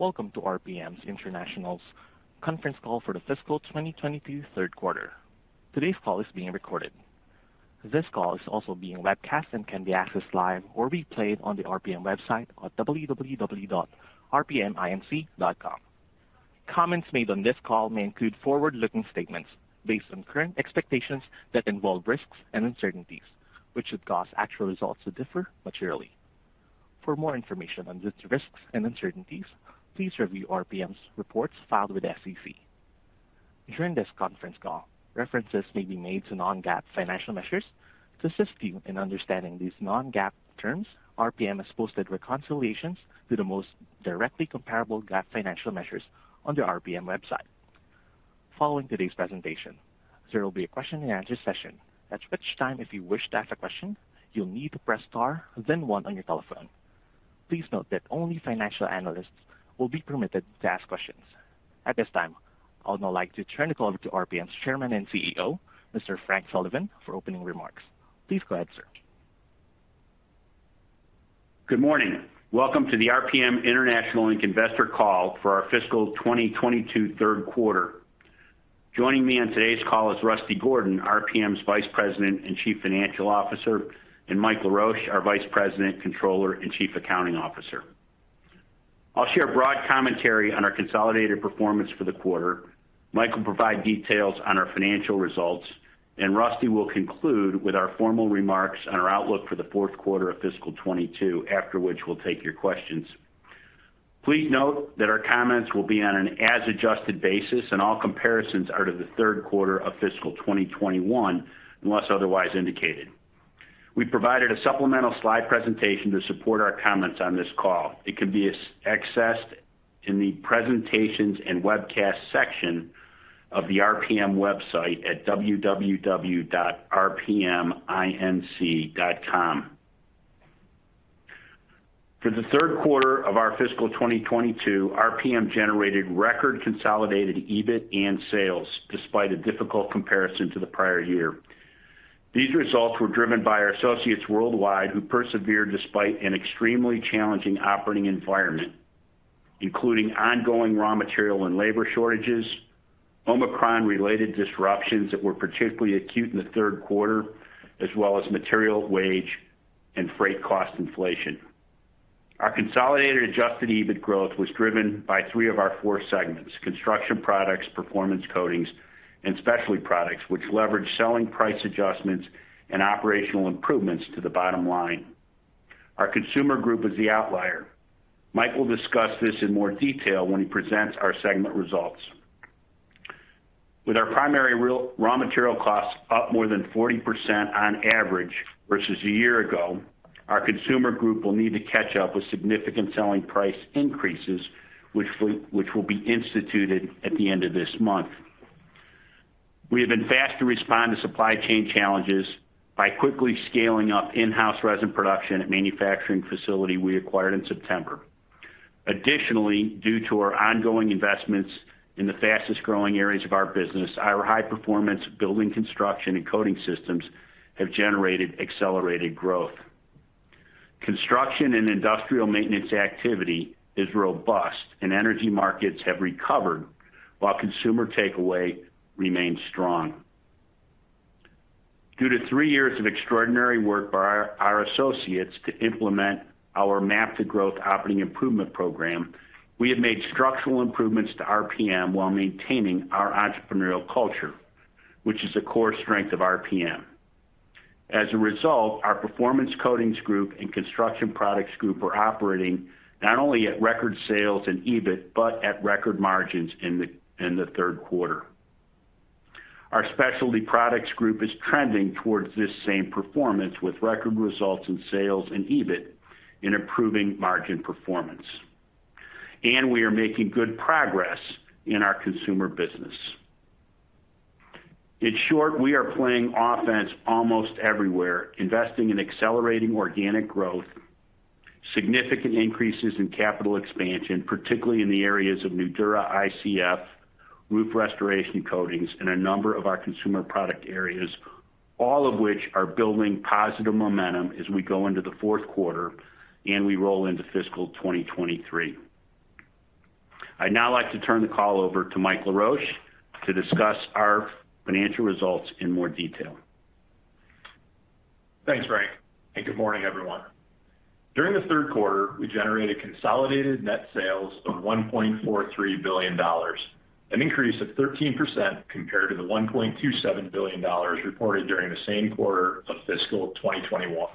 Welcome to RPM International's conference call for the fiscal 2022 third quarter. Today's call is being recorded. This call is also being webcast and can be accessed live or replayed on the RPM website at www.rpminc.com. Comments made on this call may include forward-looking statements based on current expectations that involve risks and uncertainties, which could cause actual results to differ materially. For more information on these risks and uncertainties, please review RPM's reports filed with the SEC. During this conference call, references may be made to Non-GAAP financial measures. To assist you in understanding these Non-GAAP terms, RPM has posted reconciliations to the most directly comparable GAAP financial measures on the RPM website. Following today's presentation, there will be a question-and-answer session. At which time, if you wish to ask a question, you'll need to press star then 1 on your telephone. Please note that only financial analysts will be permitted to ask questions. At this time, I would now like to turn the call over to RPM's Chairman and CEO, Mr. Frank Sullivan, for opening remarks. Please go ahead, sir. Good morning. Welcome to the RPM International Inc. investor call for our fiscal 2022 third quarter. Joining me on today's call is Russell Gordon, RPM's Vice President and Chief Financial Officer, and Michael Laroche, our Vice President, Controller, and Chief Accounting Officer. I'll share a broad commentary on our consolidated performance for the quarter. Mike will provide details on our financial results, and Rusty will conclude with our formal remarks on our outlook for the fourth quarter of fiscal 2022, after which we'll take your questions. Please note that our comments will be on an as-adjusted basis, and all comparisons are to the third quarter of fiscal 2021, unless otherwise indicated. We provided a supplemental slide presentation to support our comments on this call. It can be accessed in the Presentations and Webcast section of the RPM website at www.rpminc.com. For the third quarter of our fiscal 2022, RPM generated record consolidated EBIT and sales despite a difficult comparison to the prior year. These results were driven by our associates worldwide who persevered despite an extremely challenging operating environment, including ongoing raw material and labor shortages, Omicron-related disruptions that were particularly acute in the third quarter, as well as material wage and freight cost inflation. Our consolidated adjusted EBIT growth was driven by three of our four segments, Construction Products, Performance Coatings, and Specialty Products, which leverage selling price adjustments and operational improvements to the bottom line. Our Consumer Group is the outlier. Mike will discuss this in more detail when he presents our segment results. With our primary raw material costs up more than 40% on average versus a year ago, our consumer group will need to catch up with significant selling price increases, which will be instituted at the end of this month. We have been fast to respond to supply chain challenges by quickly scaling up in-house resin production at manufacturing facility we acquired in September. Additionally, due to our ongoing investments in the fastest-growing areas of our business, our high-performance building construction and coating systems have generated accelerated growth. Construction and industrial maintenance activity is robust, and energy markets have recovered while consumer takeaway remains strong. Due to three years of extraordinary work by our associates to implement our MAP to Growth operating improvement program, we have made structural improvements to RPM while maintaining our entrepreneurial culture, which is a core strength of RPM. As a result, our Performance Coatings Group and Construction Products Group are operating not only at record sales and EBIT, but at record margins in the third quarter. Our Specialty Products Group is trending towards this same performance with record results in sales and EBIT in improving margin performance. We are making good progress in our consumer business. In short, we are playing offense almost everywhere, investing in accelerating organic growth, significant increases in capital expansion, particularly in the areas of Nudura ICF, roof restoration coatings, and a number of our consumer product areas, all of which are building positive momentum as we go into the fourth quarter and we roll into fiscal 2023. I'd now like to turn the call over to Michael Laroche to discuss our financial results in more detail. Thanks, Frank, and good morning, everyone. During the third quarter, we generated consolidated net sales of $1.43 billion, an increase of 13% compared to the $1.27 billion reported during the same quarter of fiscal 2021.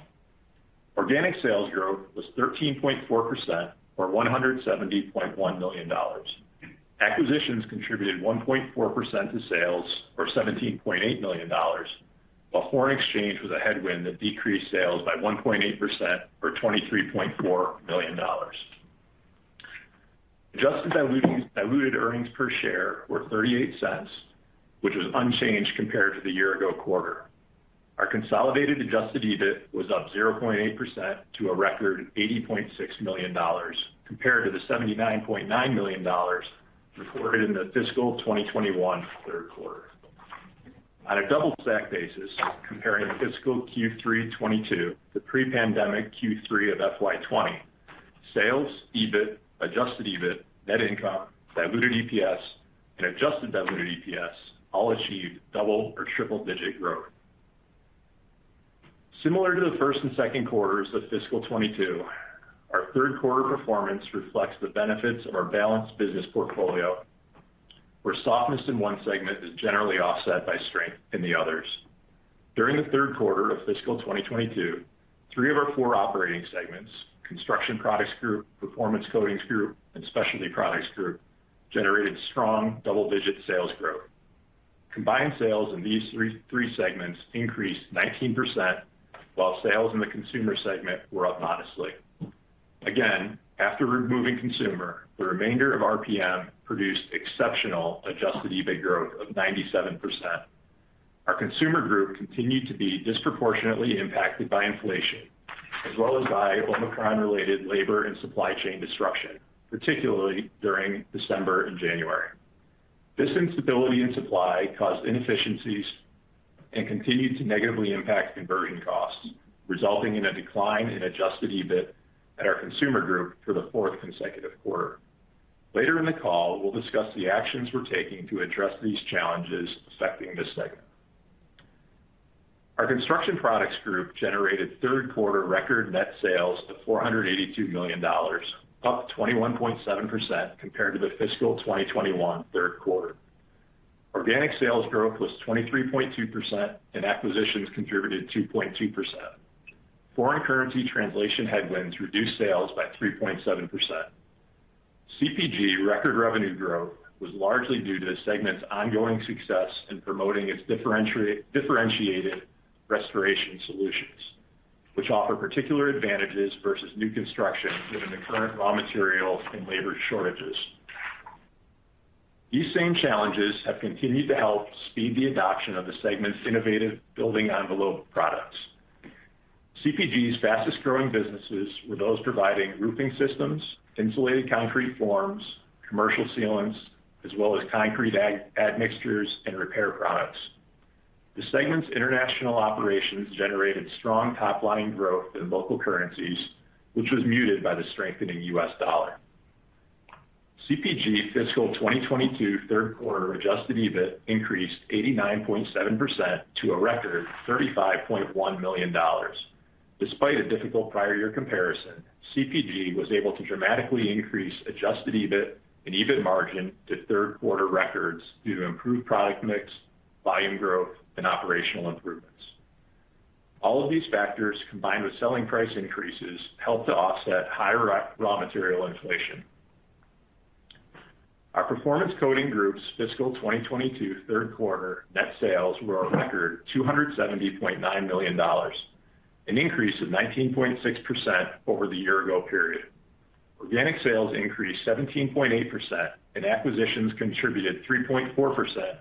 Organic sales growth was 13.4% or $170.1 million. Acquisitions contributed 1.4% to sales or $17.8 million, while foreign exchange was a headwind that decreased sales by 1.8% or $23.4 million. Adjusted diluted earnings per share were $0.38, which was unchanged compared to the year ago quarter. Our consolidated adjusted EBIT was up 0.8% to a record $80.6 million compared to the $79.9 million reported in the fiscal 2021 third quarter. On a double stack basis, comparing fiscal Q3 '22 to pre-pandemic Q3 of FY 2020, sales, EBIT, adjusted EBIT, net income, diluted EPS, and adjusted diluted EPS all achieved double- or triple-digit growth. Similar to the first and second quarters of fiscal 2022, our third quarter performance reflects the benefits of our balanced business portfolio, where softness in one segment is generally offset by strength in the others. During the third quarter of fiscal 2022, three of our four operating segments, Construction Products Group, Performance Coatings Group, and Specialty Products Group, generated strong double-digit sales growth. Combined sales in these three segments increased 19%, while sales in the consumer segment were up modestly. Again, after removing consumer, the remainder of RPM produced exceptional adjusted EBIT growth of 97%. Our consumer group continued to be disproportionately impacted by inflation, as well as by Omicron-related labor and supply chain disruption, particularly during December and January. This instability in supply caused inefficiencies and continued to negatively impact conversion costs, resulting in a decline in adjusted EBIT at our consumer group for the fourth consecutive quarter. Later in the call, we'll discuss the actions we're taking to address these challenges affecting this segment. Our Construction Products Group generated third quarter record net sales of $482 million, up 21.7% compared to the fiscal 2021 third quarter. Organic sales growth was 23.2%, and acquisitions contributed 2.2%. Foreign currency translation headwinds reduced sales by 3.7%. CPG record revenue growth was largely due to the segment's ongoing success in promoting its differentiated restoration solutions, which offer particular advantages versus new construction given the current raw materials and labor shortages. These same challenges have continued to help speed the adoption of the segment's innovative building envelope products. CPG's fastest-growing businesses were those providing roofing systems, insulated concrete forms, commercial sealants, as well as concrete admixtures and repair products. The segment's international operations generated strong top-line growth in local currencies, which was muted by the strengthening U.S. dollar. CPG fiscal 2022 third quarter adjusted EBIT increased 89.7% to a record $35.1 million. Despite a difficult prior year comparison, CPG was able to dramatically increase adjusted EBIT and EBIT margin to third quarter records due to improved product mix, volume growth, and operational improvements. All of these factors, combined with selling price increases, helped to offset higher raw material inflation. Our Performance Coatings Group's fiscal 2022 third quarter net sales were a record $270.9 million, an increase of 19.6% over the year ago period. Organic sales increased 17.8%, and acquisitions contributed 3.4%,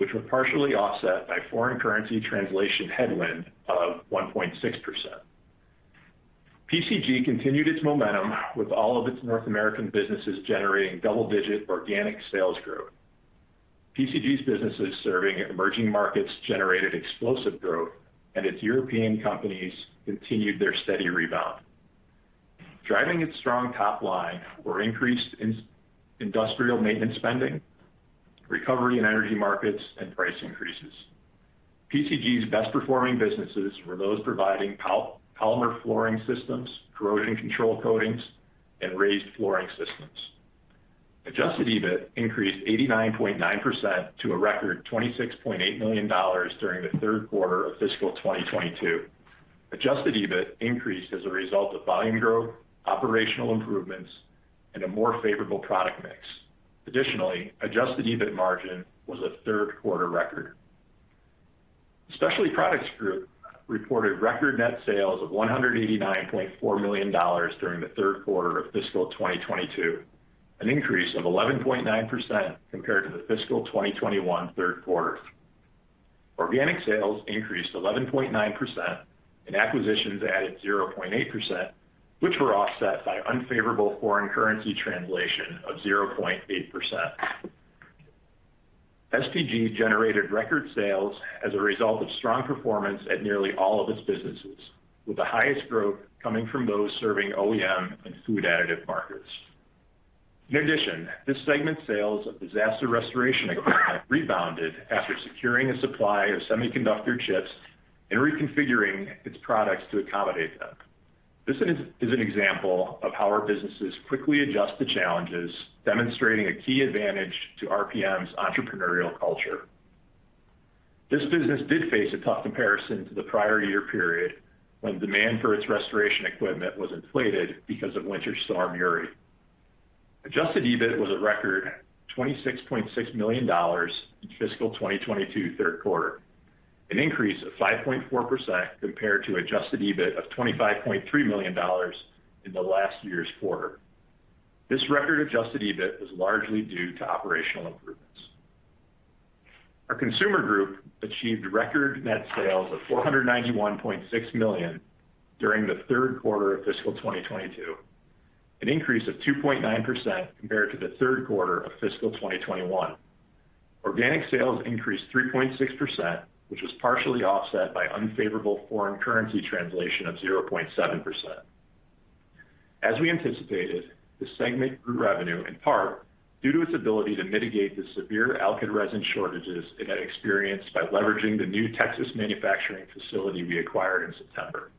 which were partially offset by foreign currency translation headwind of 1.6%. PCG continued its momentum with all of its North American businesses generating double-digit organic sales growth. PCG's businesses serving emerging markets generated explosive growth, and its European companies continued their steady rebound. Driving its strong top line were increased industrial maintenance spending, recovery in energy markets, and price increases. PCG's best performing businesses were those providing polymer flooring systems, corrosion control coatings, and raised flooring systems. Adjusted EBIT increased 89.9% to a record $26.8 million during the third quarter of fiscal 2022. Adjusted EBIT increased as a result of volume growth, operational improvements, and a more favorable product mix. Additionally, adjusted EBIT margin was a third-quarter record. Specialty Products Group reported record net sales of $189.4 million during the third quarter of fiscal 2022, an increase of 11.9% compared to the fiscal 2021 third quarter. Organic sales increased 11.9%, and acquisitions added 0.8%, which were offset by unfavorable foreign currency translation of 0.8%. SPG generated record sales as a result of strong performance at nearly all of its businesses, with the highest growth coming from those serving OEM and food additive markets. In addition, this segment's sales of disaster restoration equipment rebounded after securing a supply of semiconductor chips and reconfiguring its products to accommodate them. This is an example of how our businesses quickly adjust to challenges, demonstrating a key advantage to RPM's entrepreneurial culture. This business did face a tough comparison to the prior year period, when demand for its restoration equipment was inflated because of Winter Storm Uri. Adjusted EBIT was a record $26.6 million in fiscal 2022 third quarter, an increase of 5.4% compared to adjusted EBIT of $25.3 million in the last year's quarter. This record adjusted EBIT was largely due to operational improvements. Our consumer group achieved record net sales of $491.6 million during the third quarter of fiscal 2022. An increase of 2.9% compared to the third quarter of fiscal 2021. Organic sales increased 3.6%, which was partially offset by unfavorable foreign currency translation of 0.7%. As we anticipated, the segment grew revenue in part due to its ability to mitigate the severe alkyd resin shortages it had experienced by leveraging the new Texas manufacturing facility we acquired in September.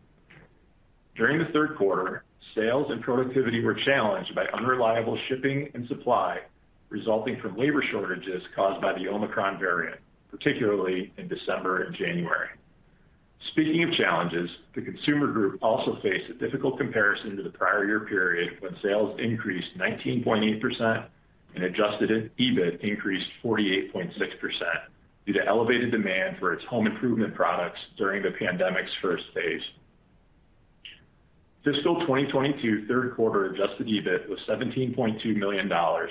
During the third quarter, sales and productivity were challenged by unreliable shipping and supply resulting from labor shortages caused by the Omicron variant, particularly in December and January. Speaking of challenges, the Consumer Group also faced a difficult comparison to the prior year period when sales increased 19.8% and adjusted EBIT increased 48.6% due to elevated demand for its home improvement products during the pandemic's first phase. Fiscal 2022 third quarter adjusted EBIT was $17.2 million, a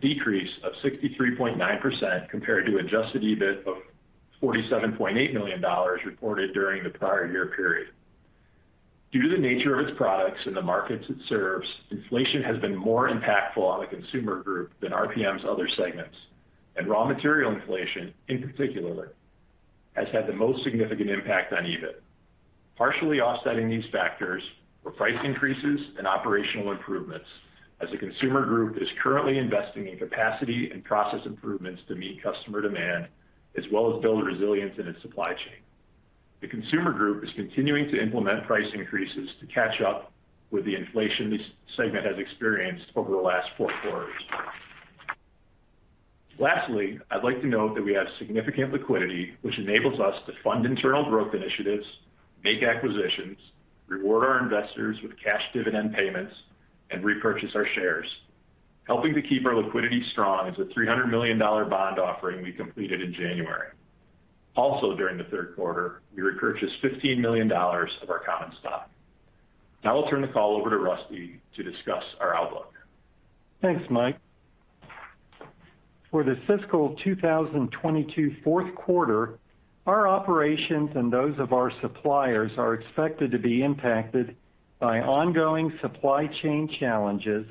decrease of 63.9% compared to adjusted EBIT of $47.8 million reported during the prior year period. Due to the nature of its products and the markets it serves, inflation has been more impactful on the Consumer Group than RPM's other segments, and raw material inflation, in particular, has had the most significant impact on EBIT. Partially offsetting these factors were price increases and operational improvements, as the consumer group is currently investing in capacity and process improvements to meet customer demand, as well as build resilience in its supply chain. The consumer group is continuing to implement price increases to catch up with the inflation this segment has experienced over the last four quarters. Lastly, I'd like to note that we have significant liquidity, which enables us to fund internal growth initiatives, make acquisitions, reward our investors with cash dividend payments, and repurchase our shares. Helping to keep our liquidity strong is a $300 million bond offering we completed in January. Also, during the third quarter, we repurchased $15 million of our common stock. Now I'll turn the call over to Rusty to discuss our outlook. Thanks, Mike. For the fiscal 2022 fourth quarter, our operations and those of our suppliers are expected to be impacted by ongoing supply chain challenges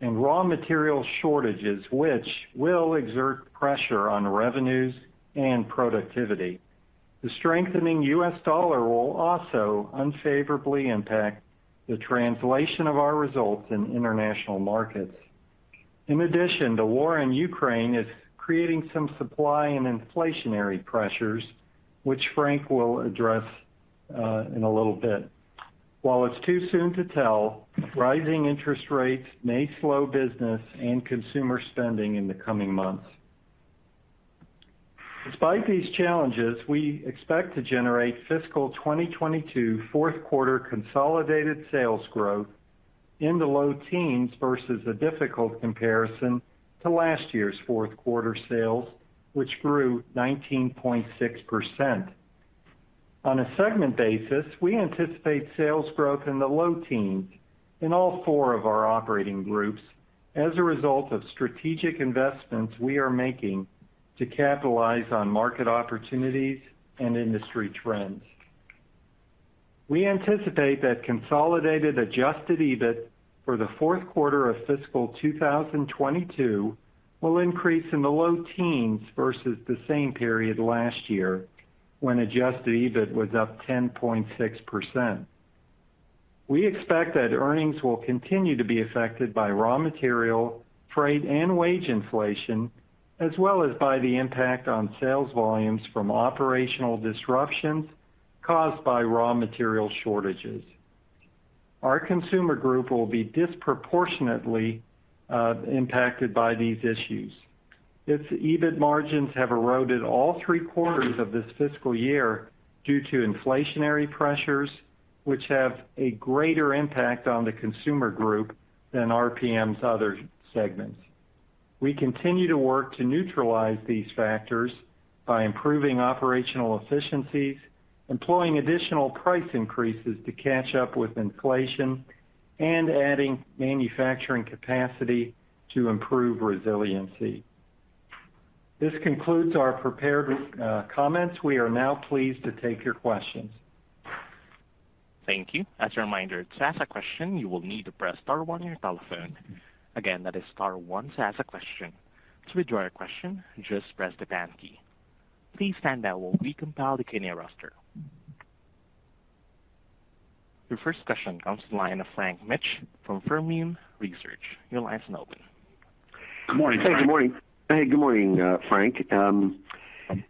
and raw material shortages, which will exert pressure on revenues and productivity. The strengthening U.S. dollar will also unfavorably impact the translation of our results in international markets. In addition, the war in Ukraine is creating some supply and inflationary pressures, which Frank will address in a little bit. While it's too soon to tell, rising interest rates may slow business and consumer spending in the coming months. Despite these challenges, we expect to generate fiscal 2022 fourth quarter consolidated sales growth in the low teens versus a difficult comparison to last year's fourth quarter sales, which grew 19.6%. On a segment basis, we anticipate sales growth in the low teens% in all four of our operating groups as a result of strategic investments we are making to capitalize on market opportunities and industry trends. We anticipate that consolidated adjusted EBIT for the fourth quarter of fiscal 2022 will increase in the low teens% versus the same period last year when adjusted EBIT was up 10.6%. We expect that earnings will continue to be affected by raw material, freight, and wage inflation, as well as by the impact on sales volumes from operational disruptions caused by raw material shortages. Our consumer group will be disproportionately impacted by these issues. Its EBIT margins have eroded all three quarters of this fiscal year due to inflationary pressures, which have a greater impact on the consumer group than RPM's other segments. We continue to work to neutralize these factors by improving operational efficiencies, employing additional price increases to catch up with inflation, and adding manufacturing capacity to improve resiliency. This concludes our prepared comments. We are now pleased to take your questions. Thank you. As a reminder, to ask a question, you will need to press star one on your telephone. Again, that is star one to ask a question. To withdraw your question, just press the pound key. Please stand by while we compile the Q&A roster. Your first question comes to the line of Frank Mitsch from Fermium Research. Your line is now open. Good morning, Frank. Hey, good morning. Hey, good morning, Frank.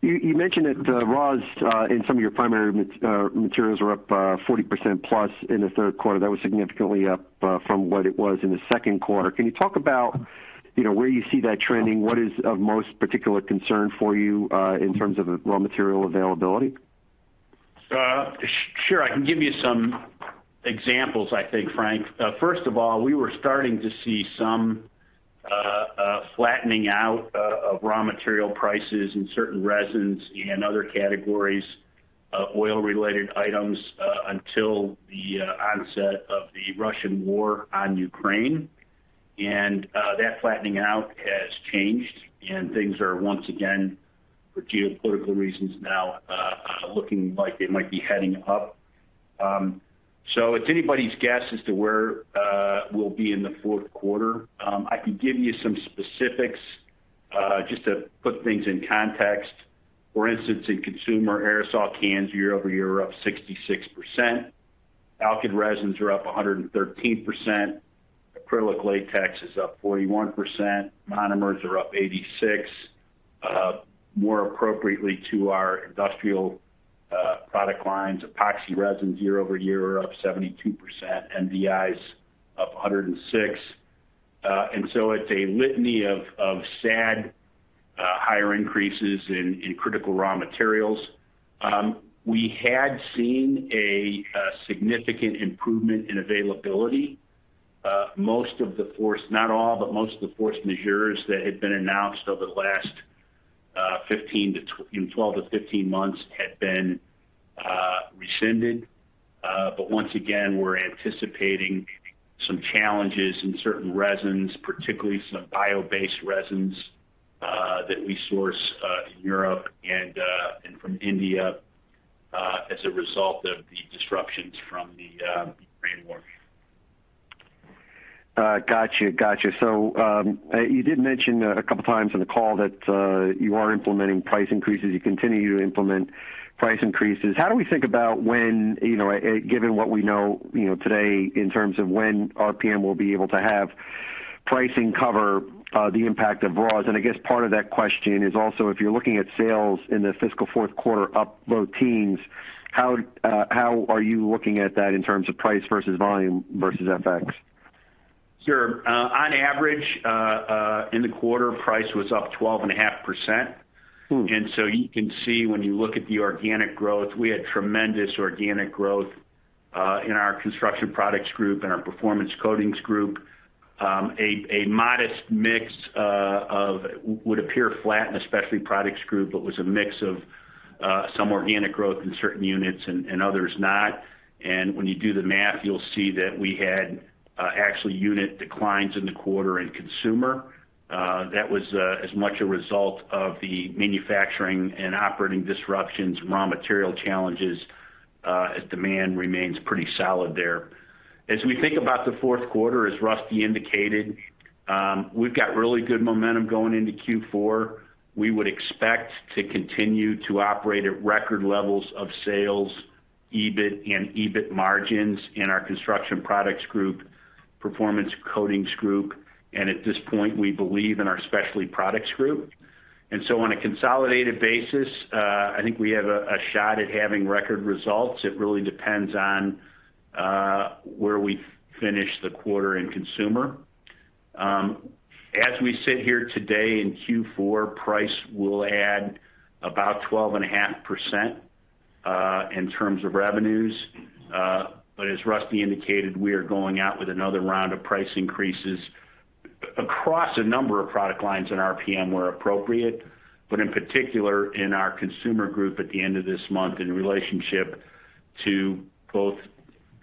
You mentioned that raws and some of your primary materials were up 40% plus in the third quarter. That was significantly up from what it was in the second quarter. Can you talk about, you know, where you see that trending? What is of most particular concern for you in terms of raw material availability? Sure. I can give you some examples, I think, Frank. First of all, we were starting to see some flattening out of raw material prices in certain resins and other categories of oil-related items until the onset of the Russian war on Ukraine. That flattening out has changed, and things are once again, for geopolitical reasons now, looking like they might be heading up. It's anybody's guess as to where we'll be in the fourth quarter. I can give you some specifics, just to put things in context. For instance, in consumer aerosol cans year-over-year are up 66%. Alkyd resins are up 113%. Acrylic latex is up 41%. Monomers are up 86%. More appropriately to our industrial product lines, epoxy resins year-over-year are up 72%, MDIs up 106%. It's a litany of such higher increases in critical raw materials. We had seen a significant improvement in availability. Most of the force majeure—not all, but most of the force majeure that had been announced over the last, you know, 12-15 months had been rescinded. Once again, we're anticipating some challenges in certain resins, particularly some bio-based resins that we source in Europe and from India as a result of the disruptions from the Ukraine war. Got you. You did mention a couple of times on the call that you are implementing price increases. You continue to implement price increases. How do we think about when, you know, given what we know, you know, today in terms of when RPM will be able to have pricing cover the impact of raws? And I guess part of that question is also if you're looking at sales in the fiscal fourth quarter up low teens, how are you looking at that in terms of price versus volume versus FX? Sure. On average, in the quarter, price was up 12.5%. You can see when you look at the organic growth, we had tremendous organic growth in our Construction Products Group and our Performance Coatings Group. A modest mix would appear flat in the Specialty Products Group, but was a mix of some organic growth in certain units and others not. When you do the math, you'll see that we had actual unit declines in the quarter in consumer. That was as much a result of the manufacturing and operating disruptions, raw material challenges, as demand remains pretty solid there. As we think about the fourth quarter, as Rusty indicated, we've got really good momentum going into Q4. We would expect to continue to operate at record levels of sales, EBIT and EBIT margins in our Construction Products Group, Performance Coatings Group, and at this point, we believe in our Specialty Products Group. On a consolidated basis, I think we have a shot at having record results. It really depends on where we finish the quarter in consumer. As we sit here today in Q4, price will add about 12.5% in terms of revenues. As Rusty indicated, we are going out with another round of price increases across a number of product lines in RPM where appropriate, but in particular in our Consumer Group at the end of this month in relationship to both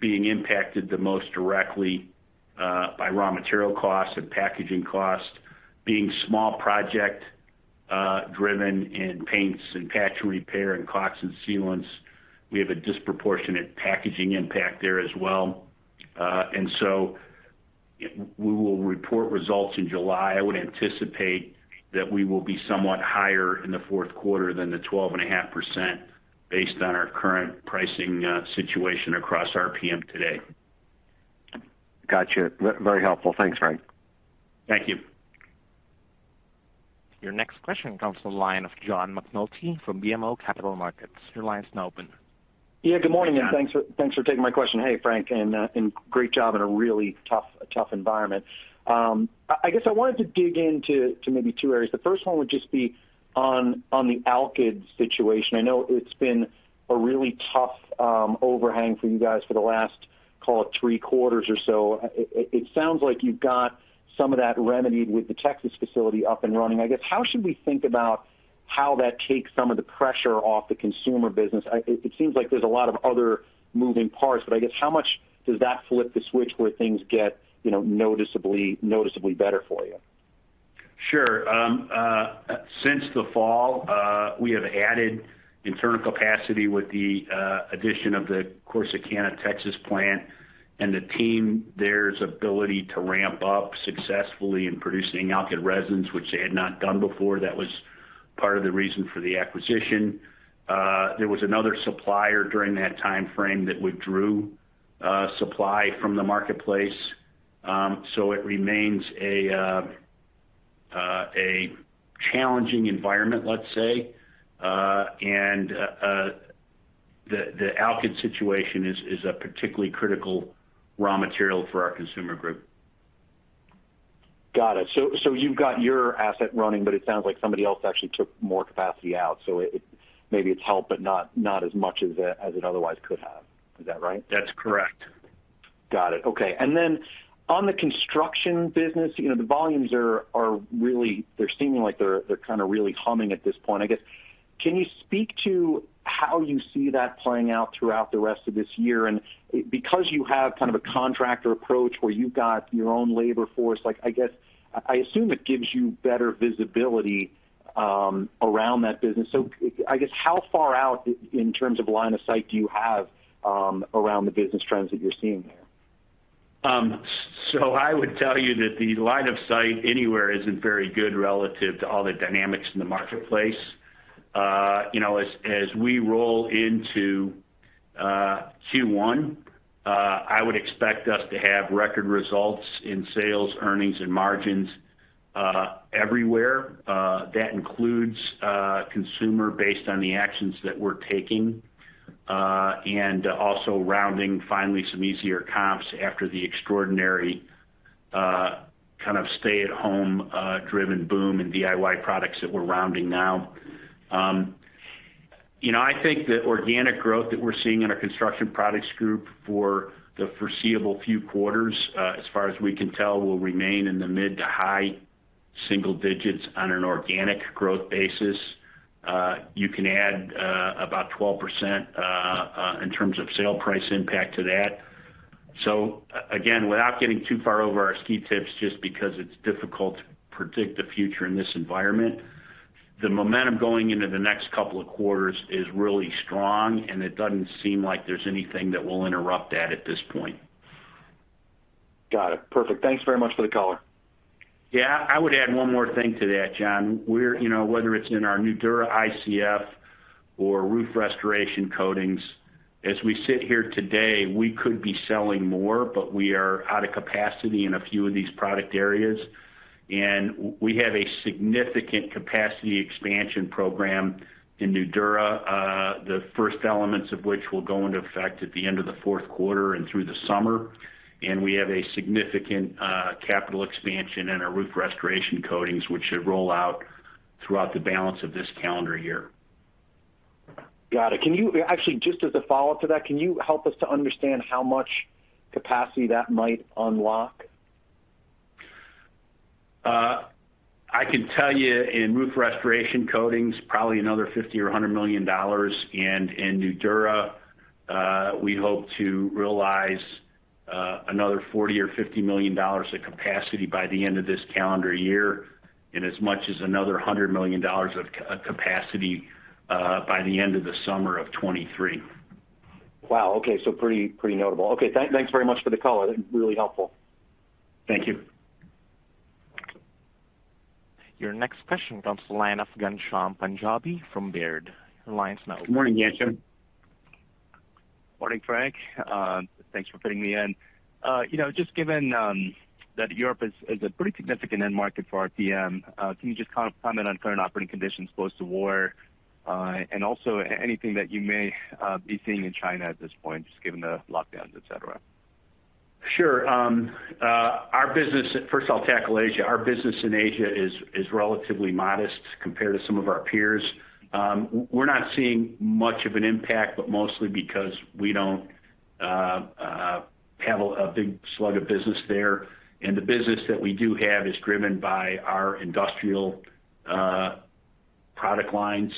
being impacted the most directly by raw material costs and packaging costs, being small project driven in paints and patch repair and caulk and sealants. We have a disproportionate packaging impact there as well. We will report results in July. I would anticipate that we will be somewhat higher in the fourth quarter than the 12.5% based on our current pricing situation across RPM today. Got you. Very helpful. Thanks, Frank. Thank you. Your next question comes from the line of John McNulty from BMO Capital Markets. Your line is now open. Yeah, good morning. Hey, John. Thanks for taking my question. Hey, Frank, and great job in a really tough environment. I guess I wanted to dig into maybe two areas. The first one would just be on the alkyd situation. I know it's been a really tough overhang for you guys for the last, call it three quarters or so. It sounds like you've got some of that remedied with the Texas facility up and running. I guess how should we think about how that takes some of the pressure off the consumer business? It seems like there's a lot of other moving parts, but I guess how much does that flip the switch where things get, you know, noticeably better for you? Sure. Since the fall, we have added internal capacity with the addition of the Corsicana, Texas plant and the team's ability to ramp up successfully in producing alkyd resins, which they had not done before. That was part of the reason for the acquisition. There was another supplier during that timeframe that withdrew supply from the marketplace. It remains a challenging environment, let's say. The alkyd situation is a particularly critical raw material for our Consumer Group. Got it. You've got your asset running, but it sounds like somebody else actually took more capacity out. Maybe it's helped, but not as much as it otherwise could have. Is that right? That's correct. Got it. Okay. On the construction business, you know, the volumes are really they're seeming like they're kind of really humming at this point. I guess. Can you speak to how you see that playing out throughout the rest of this year? Because you have kind of a contractor approach where you've got your own labor force, like, I guess I assume it gives you better visibility around that business. I guess how far out in terms of line of sight do you have around the business trends that you're seeing there? I would tell you that the line of sight anywhere isn't very good relative to all the dynamics in the marketplace. You know, as we roll into Q1, I would expect us to have record results in sales, earnings, and margins everywhere. That includes consumer based on the actions that we're taking and also rounding finally some easier comps after the extraordinary kind of stay-at-home driven boom in DIY products that we're rounding now. You know, I think the organic growth that we're seeing in our Construction Products Group for the foreseeable few quarters, as far as we can tell, will remain in the mid to high single digits on an organic growth basis. You can add about 12% in terms of sale price impact to that. Again, without getting too far over our skis, just because it's difficult to predict the future in this environment, the momentum going into the next couple of quarters is really strong, and it doesn't seem like there's anything that will interrupt that at this point. Got it. Perfect. Thanks very much for the color. Yeah. I would add one more thing to that, John. We're, you know, whether it's in our Nudura ICF or roof restoration coatings, as we sit here today, we could be selling more, but we are out of capacity in a few of these product areas. We have a significant capacity expansion program in Nudura, the first elements of which will go into effect at the end of the fourth quarter and through the summer. We have a significant capital expansion in our roof restoration coatings, which should roll out throughout the balance of this calendar year. Got it. Actually, just as a follow-up to that, can you help us to understand how much capacity that might unlock? I can tell you in roof restoration coatings, probably another $50-$100 million. In Nudura, we hope to realize another $40-$50 million of capacity by the end of this calendar year, and as much as another $100 million of capacity by the end of the summer of 2023. Wow. Okay. Pretty notable. Okay. Thanks very much for the color. Really helpful. Thank you. Your next question comes from the line of Ghansham Panjabi from Baird. Your line's now open. Good morning, Ghansham. Morning, Frank. Thanks for fitting me in. You know, just given that Europe is a pretty significant end market for RPM, can you just kind of comment on current operating conditions post the war? Also anything that you may be seeing in China at this point, just given the lockdowns, et cetera. Sure. Our business. First, I'll tackle Asia. Our business in Asia is relatively modest compared to some of our peers. We're not seeing much of an impact, but mostly because we don't have a big slug of business there. The business that we do have is driven by our industrial product lines.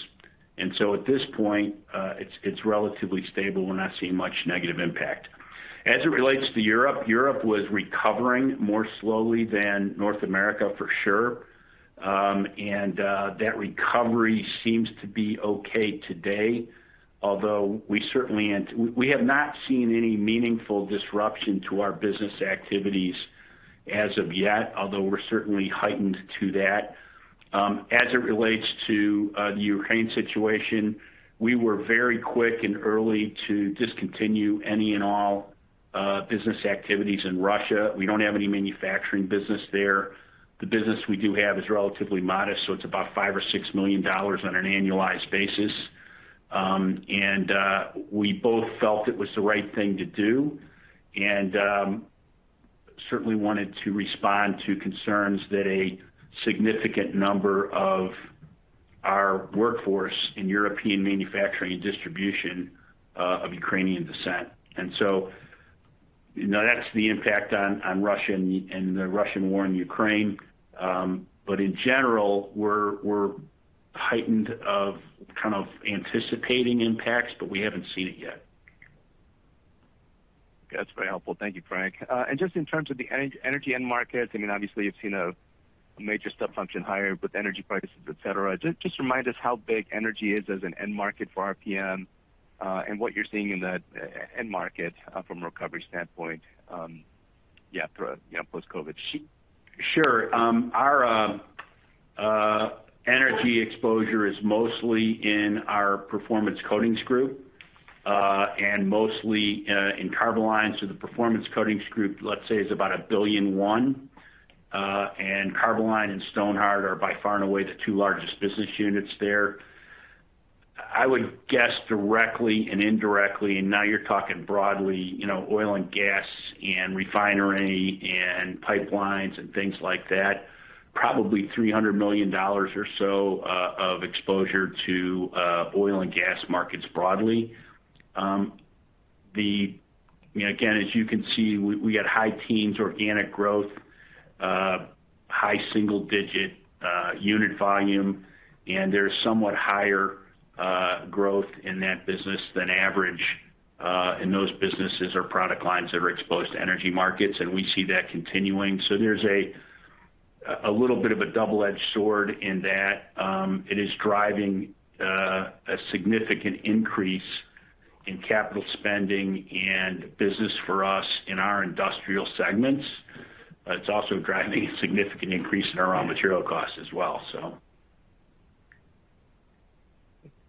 At this point, it's relatively stable. We're not seeing much negative impact. As it relates to Europe was recovering more slowly than North America, for sure. That recovery seems to be okay today, although we have not seen any meaningful disruption to our business activities as of yet, although we're certainly heightened to that. As it relates to the Ukraine situation, we were very quick and early to discontinue any and all business activities in Russia. We don't have any manufacturing business there. The business we do have is relatively modest, so it's about $5 million or $6 million on an annualized basis. We both felt it was the right thing to do, and certainly wanted to respond to concerns that a significant number of our workforce in European manufacturing and distribution of Ukrainian descent. You know, that's the impact on Russia and the Russian war in Ukraine. In general, we're heightened of kind of anticipating impacts, but we haven't seen it yet. That's very helpful. Thank you, Frank. Just in terms of the energy end markets, I mean, obviously you've seen a major step function higher with energy prices, et cetera. Just remind us how big energy is as an end market for RPM, and what you're seeing in that end market, from a recovery standpoint, through, you know, post-COVID. Sure. Our energy exposure is mostly in our Performance Coatings Group, and mostly in Carboline. The Performance Coatings Group, let's say, is about $1.1 billion. Carboline and Stonhard are by far and away the two largest business units there. I would guess directly and indirectly, and now you're talking broadly, you know, oil and gas and refinery and pipelines and things like that, probably $300 million or so of exposure to oil and gas markets broadly. Again, as you can see, we had high-teens% organic growth, high single-digit% unit volume, and there's somewhat higher growth in that business than average in those businesses or product lines that are exposed to energy markets, and we see that continuing. There's a little bit of a double-edged sword in that it is driving a significant increase in capital spending and business for us in our industrial segments. It's also driving a significant increase in our raw material costs as well.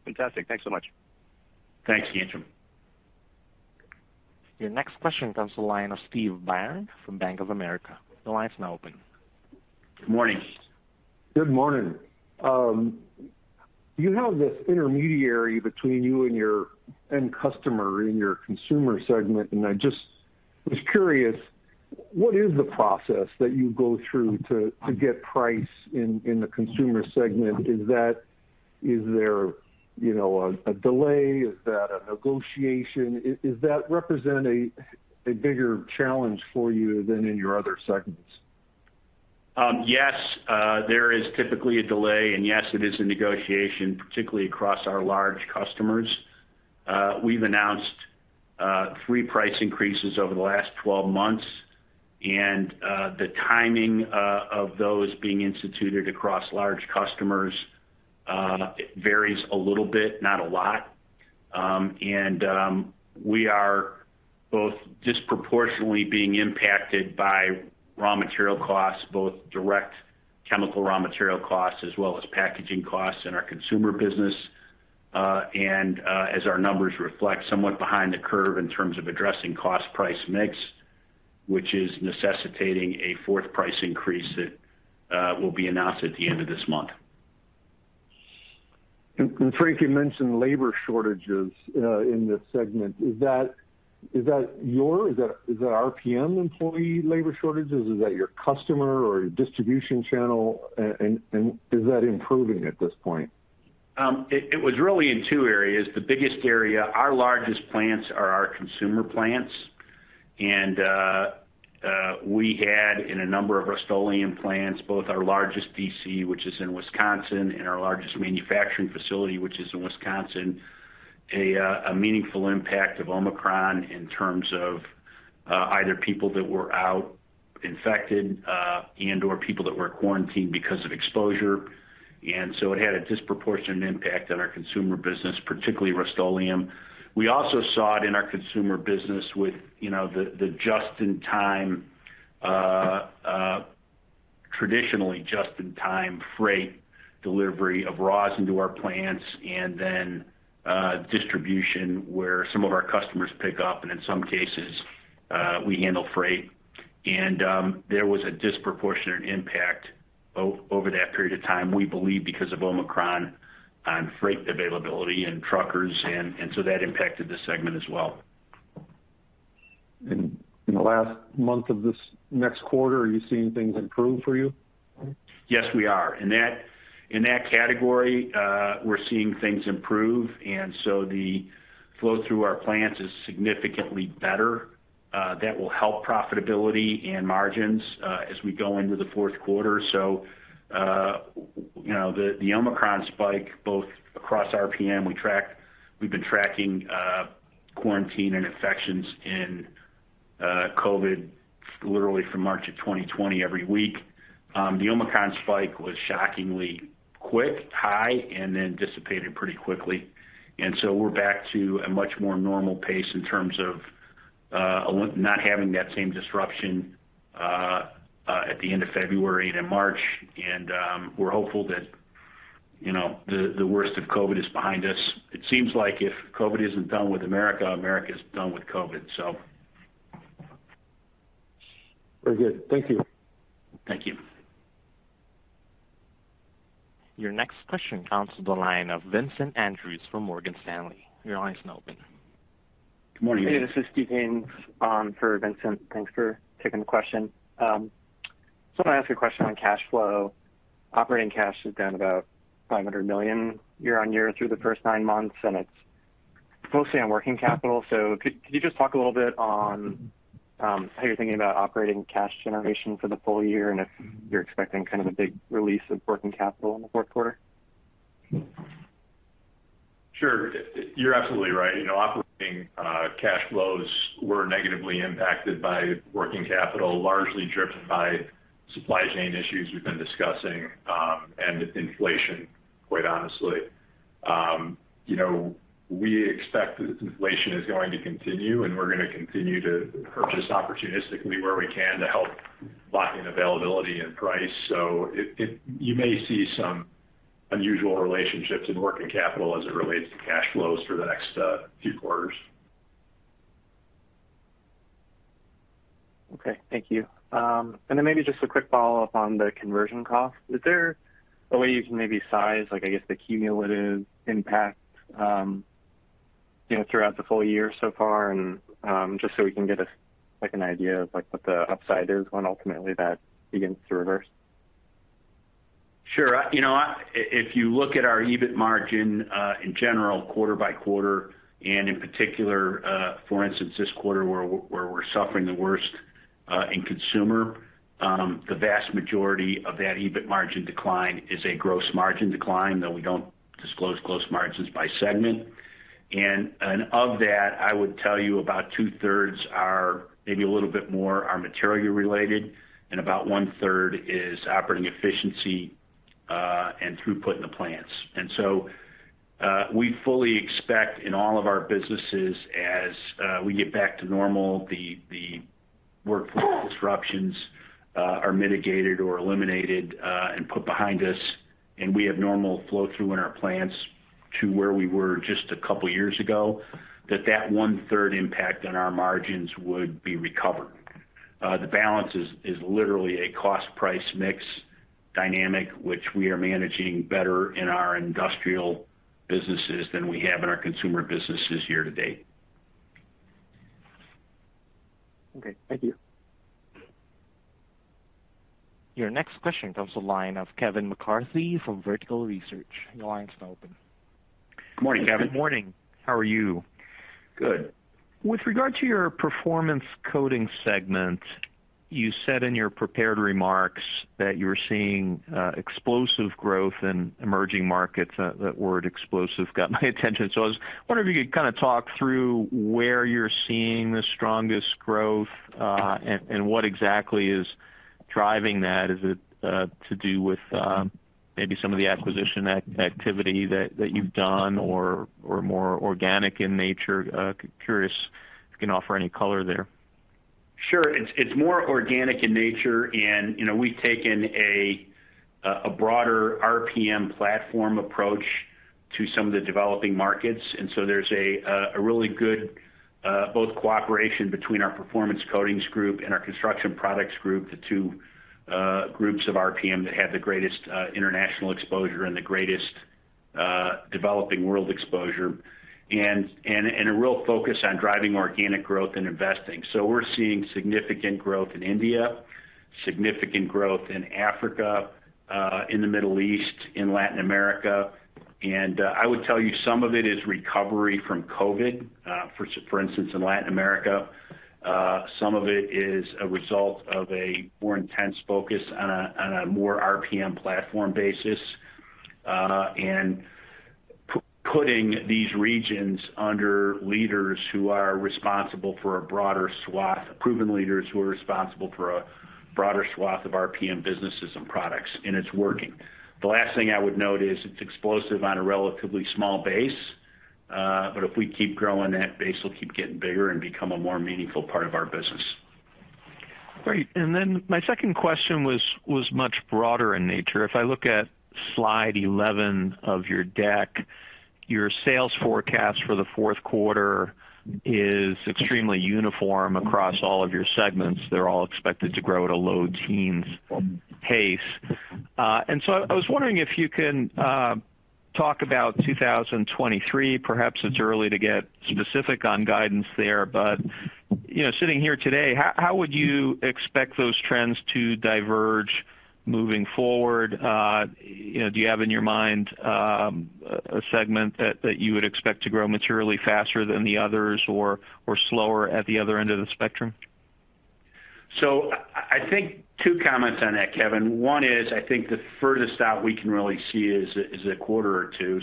Fantastic. Thanks so much. Thanks, Ghansham Panjabi. Your next question comes to the line of Steve Byrne from Bank of America. Your line is now open. Good morning. Good morning. You have this intermediary between you and your end customer in your consumer segment, and I just was curious, what is the process that you go through to get price in the consumer segment? Is that—is there, you know, a delay? Is that a negotiation? Is that represent a bigger challenge for you than in your other segments? Yes, there is typically a delay, and yes, it is a negotiation, particularly across our large customers. We've announced three price increases over the last 12 months, and the timing of those being instituted across large customers, it varies a little bit, not a lot. We are both disproportionately being impacted by raw material costs, both direct chemical raw material costs as well as packaging costs in our consumer business, and as our numbers reflect, somewhat behind the curve in terms of addressing cost price mix, which is necessitating a fourth price increase that will be announced at the end of this month. Frank, you mentioned labor shortages in this segment. Is that RPM employee labor shortages? Is that your customer or your distribution channel? Is that improving at this point? It was really in two areas. The biggest area, our largest plants are our consumer plants, and we had in a number of Rust-Oleum plants, both our largest DC, which is in Wisconsin, and our largest manufacturing facility, which is in Wisconsin, a meaningful impact of Omicron in terms of either people that were out infected, and/or people that were quarantined because of exposure. It had a disproportionate impact on our consumer business, particularly Rust-Oleum. We also saw it in our consumer business with, you know, the traditionally just-in-time freight delivery of raws into our plants and then distribution where some of our customers pick up, and in some cases, we handle freight. There was a disproportionate impact over that period of time, we believe because of Omicron on freight availability and truckers, and so that impacted the segment as well. In the last month of this next quarter, are you seeing things improve for you? Yes, we are. In that category, we're seeing things improve, and the flow through our plants is significantly better. That will help profitability and margins as we go into the fourth quarter. You know, the Omicron spike, both across RPM, we've been tracking quarantine and infections in COVID literally from March of 2020 every week. The Omicron spike was shockingly quick, high, and then dissipated pretty quickly. We're back to a much more normal pace in terms of not having that same disruption at the end of February and in March. We're hopeful that, you know, the worst of COVID is behind us. It seems like if COVID isn't done with America is done with COVID. Very good. Thank you. Thank you. Your next question comes to the line of Vincent Andrews from Morgan Stanley. Your line is now open. Good morning. Hey, this is Steve Ames for Vincent. Thanks for taking the question. Just wanna ask you a question on cash flow. Operating cash is down about $500 million year-over-year through the first nine months, and it's mostly on working capital. Could you just talk a little bit on how you're thinking about operating cash generation for the full year and if you're expecting kind of a big release of working capital in the fourth quarter? Sure. You're absolutely right. You know, operating cash flows were negatively impacted by working capital, largely driven by supply chain issues we've been discussing, and inflation, quite honestly. You know, we expect that inflation is going to continue, and we're gonna continue to purchase opportunistically where we can to help lock in availability and price. You may see some unusual relationships in working capital as it relates to cash flows for the next few quarters. Okay. Thank you. Maybe just a quick follow-up on the conversion cost. Is there a way you can maybe size, like, I guess, the cumulative impact, you know, throughout the full year so far and, just so we can get a, like, an idea of, like, what the upside is when ultimately that begins to reverse? Sure. You know, if you look at our EBIT margin in general, quarter by quarter, and in particular, for instance, this quarter where we're suffering the worst in consumer, the vast majority of that EBIT margin decline is a gross margin decline, though we don't disclose gross margins by segment. Of that, I would tell you about two-thirds are maybe a little bit more are material related, and about one-third is operating efficiency and throughput in the plants. We fully expect in all of our businesses as we get back to normal, the workflow disruptions are mitigated or eliminated and put behind us, and we have normal flow through in our plants to where we were just a couple of years ago, that one-third impact on our margins would be recovered. The balance is literally a cost price mix dynamic, which we are managing better in our industrial businesses than we have in our consumer businesses year to date. Okay. Thank you. Your next question comes from the line of Kevin McCarthy from Vertical Research. Your line is now open. Good morning, Kevin. Good morning. How are you? Good. With regard to your Performance Coatings segment, you said in your prepared remarks that you were seeing explosive growth in emerging markets. That word explosive got my attention. I was wondering if you could kind of talk through where you're seeing the strongest growth, and what exactly is driving that. Is it to do with maybe some of the acquisition activity that you've done or more organic in nature? Curious if you can offer any color there. Sure. It's more organic in nature. You know, we've taken a broader RPM platform approach to some of the developing markets. There's a really good cooperation between both our Performance Coatings Group and our Construction Products Group, the two groups of RPM that have the greatest international exposure and the greatest developing world exposure, and a real focus on driving organic growth and investing. We're seeing significant growth in India, significant growth in Africa, in the Middle East, in Latin America. I would tell you some of it is recovery from COVID, for instance, in Latin America. Some of it is a result of a more intense focus on a more RPM platform basis, and putting these regions under proven leaders who are responsible for a broader swath of RPM businesses and products, and it's working. The last thing I would note is it's explosive on a relatively small base, but if we keep growing, that base will keep getting bigger and become a more meaningful part of our business. Great. Then my second question was much broader in nature. If I look at slide 11 of your deck, your sales forecast for the fourth quarter is extremely uniform across all of your segments. They're all expected to grow at a low teens pace. I was wondering if you can talk about 2023. Perhaps it's early to get specific on guidance there, but you know, sitting here today, how would you expect those trends to diverge moving forward? You know, do you have in your mind a segment that you would expect to grow materially faster than the others or slower at the other end of the spectrum? I think two comments on that, Kevin. One is, I think the furthest out we can really see is a quarter or two.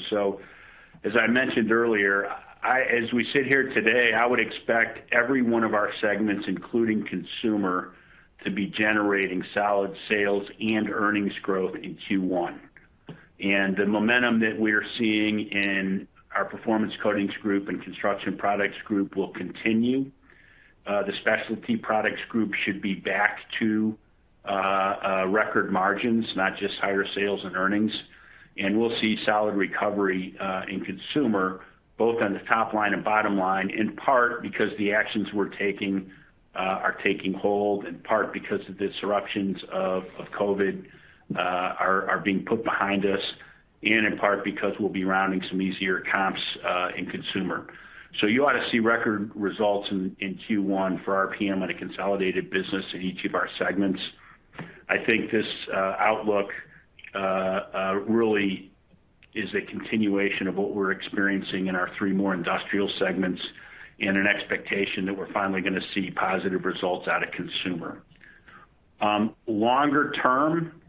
As I mentioned earlier, as we sit here today, I would expect every one of our segments, including Consumer, to be generating solid sales and earnings growth in Q1. The momentum that we're seeing in our Performance Coatings Group and Construction Products Group will continue. The Specialty Products Group should be back to record margins, not just higher sales and earnings. We'll see solid recovery in Consumer, both on the top line and bottom line, in part because the actions we're taking are taking hold, in part because of the disruptions of COVID are being put behind us, and in part because we'll be rounding some easier comps in Consumer. You ought to see record results in Q1 for RPM on a consolidated business in each of our segments. I think this outlook really is a continuation of what we're experiencing in our three more industrial segments and an expectation that we're finally gonna see positive results out of consumer. Longer term,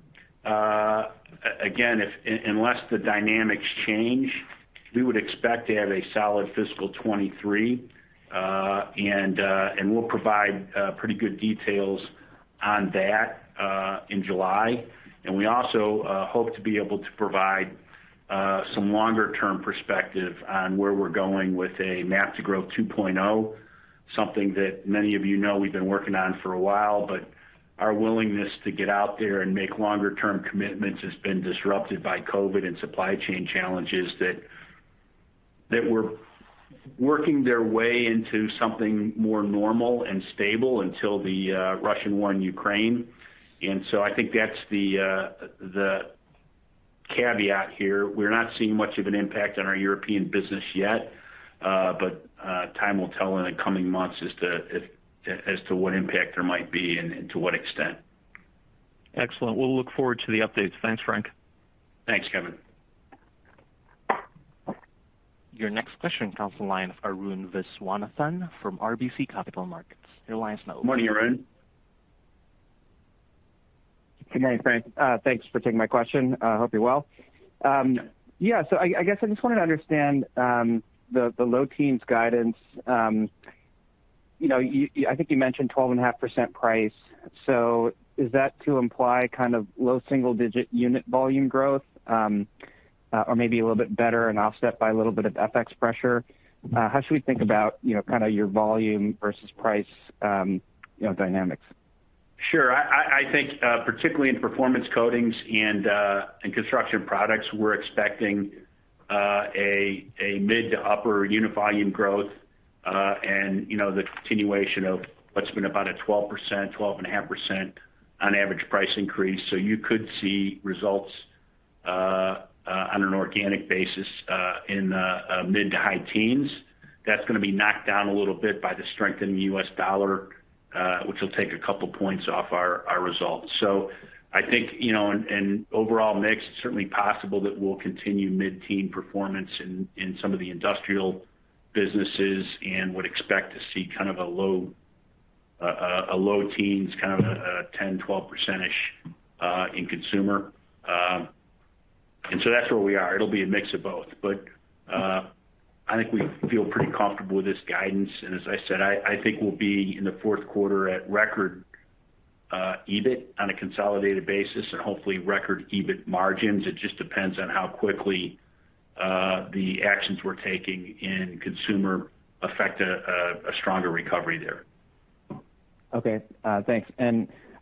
again, unless the dynamics change, we would expect to have a solid fiscal 2023, and we'll provide pretty good details on that in July. We also hope to be able to provide some longer-term perspective on where we're going with a MAP to Growth 2.0, something that many of you know we've been working on for a while, but our willingness to get out there and make longer term commitments has been disrupted by COVID and supply chain challenges that were working their way into something more normal and stable until the Russian war in Ukraine. I think that's the caveat here, we're not seeing much of an impact on our European business yet, but time will tell in the coming months as to what impact there might be and to what extent. Excellent. We'll look forward to the updates. Thanks, Frank. Thanks, Kevin. Your next question comes from the line of Arun Viswanathan from RBC Capital Markets. Your line is now open. Morning, Arun. Good morning, Frank. Thanks for taking my question. I hope you're well. Yeah, I guess I just wanted to understand the low teens guidance. You know, I think you mentioned 12.5% price. Is that to imply kind of low single-digit unit volume growth? Or maybe a little bit better and offset by a little bit of FX pressure? How should we think about, you know, kind of your volume versus price, you know, dynamics? Sure. I think, particularly in Performance Coatings and Construction Products, we're expecting a mid- to upper-unit volume growth. You know, the continuation of what's been about a 12%, 12.5% on average price increase. You could see results on an organic basis in a mid- to high teens. That's gonna be knocked down a little bit by the strength in the U.S. dollar, which will take a couple points off our results. I think, you know, overall mix, it's certainly possible that we'll continue mid-teen performance in some of the industrial businesses and would expect to see kind of a low teens, kind of a 10, 12%-ish in consumer. That's where we are. It'll be a mix of both. I think we feel pretty comfortable with this guidance, and as I said, I think we'll be in the fourth quarter at record EBIT on a consolidated basis and hopefully record EBIT margins. It just depends on how quickly the actions we're taking in consumer affect a stronger recovery there. Okay, thanks.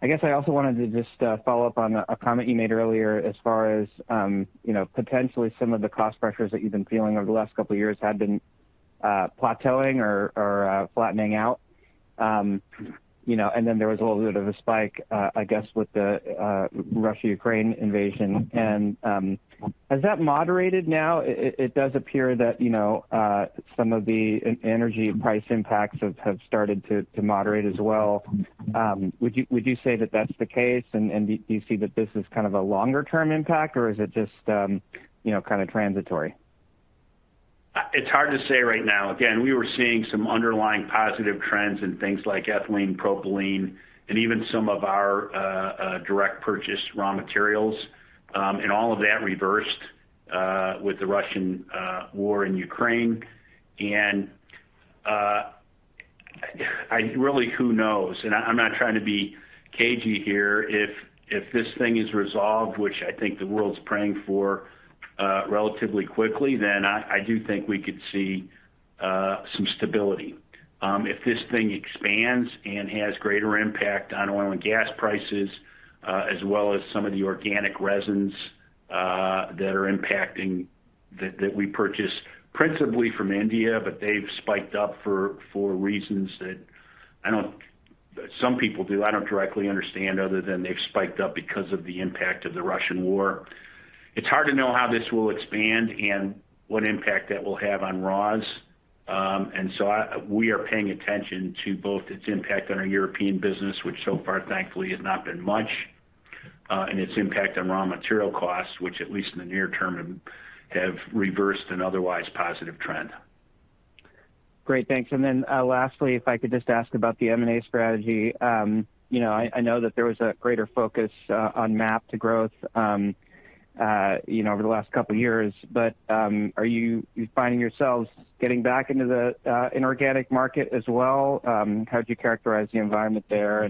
I guess I also wanted to just follow up on a comment you made earlier as far as you know potentially some of the cost pressures that you've been feeling over the last couple of years have been plateauing or flattening out. You know, there was a little bit of a spike I guess with the Russia-Ukraine invasion. Has that moderated now? It does appear that you know some of the energy price impacts have started to moderate as well. Would you say that that's the case? Do you see that this is kind of a longer term impact or is it just you know kind of transitory? It's hard to say right now. Again, we were seeing some underlying positive trends in things like ethylene, propylene, and even some of our direct purchase raw materials. All of that reversed with the Russian war in Ukraine. Really, who knows? I'm not trying to be cagey here. If this thing is resolved, which I think the world's praying for, relatively quickly, then I do think we could see some stability. If this thing expands and has greater impact on oil and gas prices, as well as some of the organic resins that are impacting that we purchase principally from India, but they've spiked up for reasons that some people do. I don't directly understand other than they've spiked up because of the impact of the Russian war. It's hard to know how this will expand and what impact that will have on raws. We are paying attention to both its impact on our European business, which so far, thankfully, has not been much, and its impact on raw material costs, which at least in the near term, have reversed an otherwise positive trend. Great. Thanks. Lastly, if I could just ask about the M&A strategy. I know that there was a greater focus on MAP to Growth over the last couple of years. Are you finding yourselves getting back into the inorganic market as well? How would you characterize the environment there?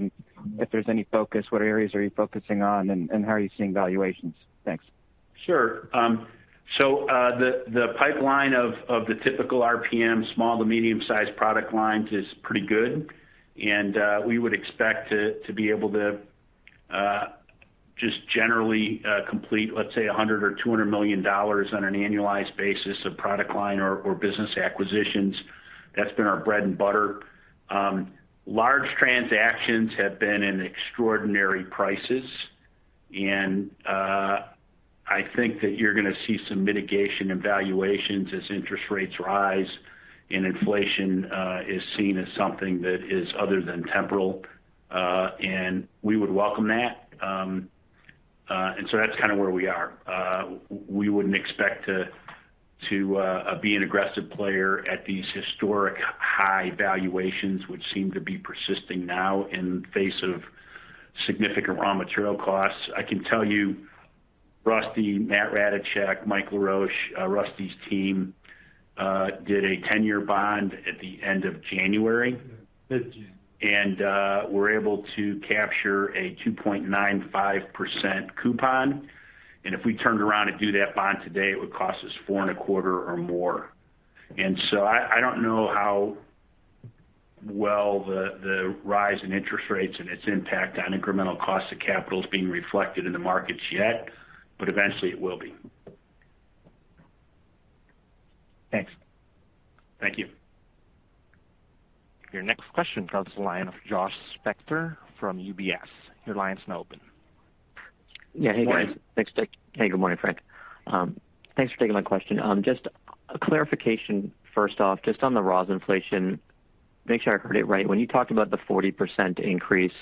If there's any focus, what areas are you focusing on and how are you seeing valuations? Thanks. The pipeline of the typical RPM small to medium-sized product lines is pretty good. We would expect to be able to just generally complete, let's say $100 million or $200 million on an annualized basis of product line or business acquisitions. That's been our bread and butter. Large transactions have been in extraordinary prices, and I think that you're gonna see some mitigation in valuations as interest rates rise and inflation is seen as something that is other than temporal. We would welcome that. That's kind of where we are. We wouldn't expect to be an aggressive player at these historic high valuations, which seem to be persisting now in face of significant raw material costs. I can tell you, Rusty, Matthew Ratajczak, Michael Laroche, Rusty's team, did a 10-year bond at the end of January. We're able to capture a 2.95% coupon. If we turned around to do that bond today, it would cost us 4.25% or more. I don't know how well the rise in interest rates and its impact on incremental cost of capital is being reflected in the markets yet, but eventually it will be. Thanks. Thank you. Your next question comes from the line of Joshua Spector from UBS. Your line's now open. Yeah. Hey, guys. Morning. Thanks. Hey, good morning, Frank. Thanks for taking my question. Just a clarification first off, just on the raws inflation. Make sure I heard it right. When you talked about the 40% increase,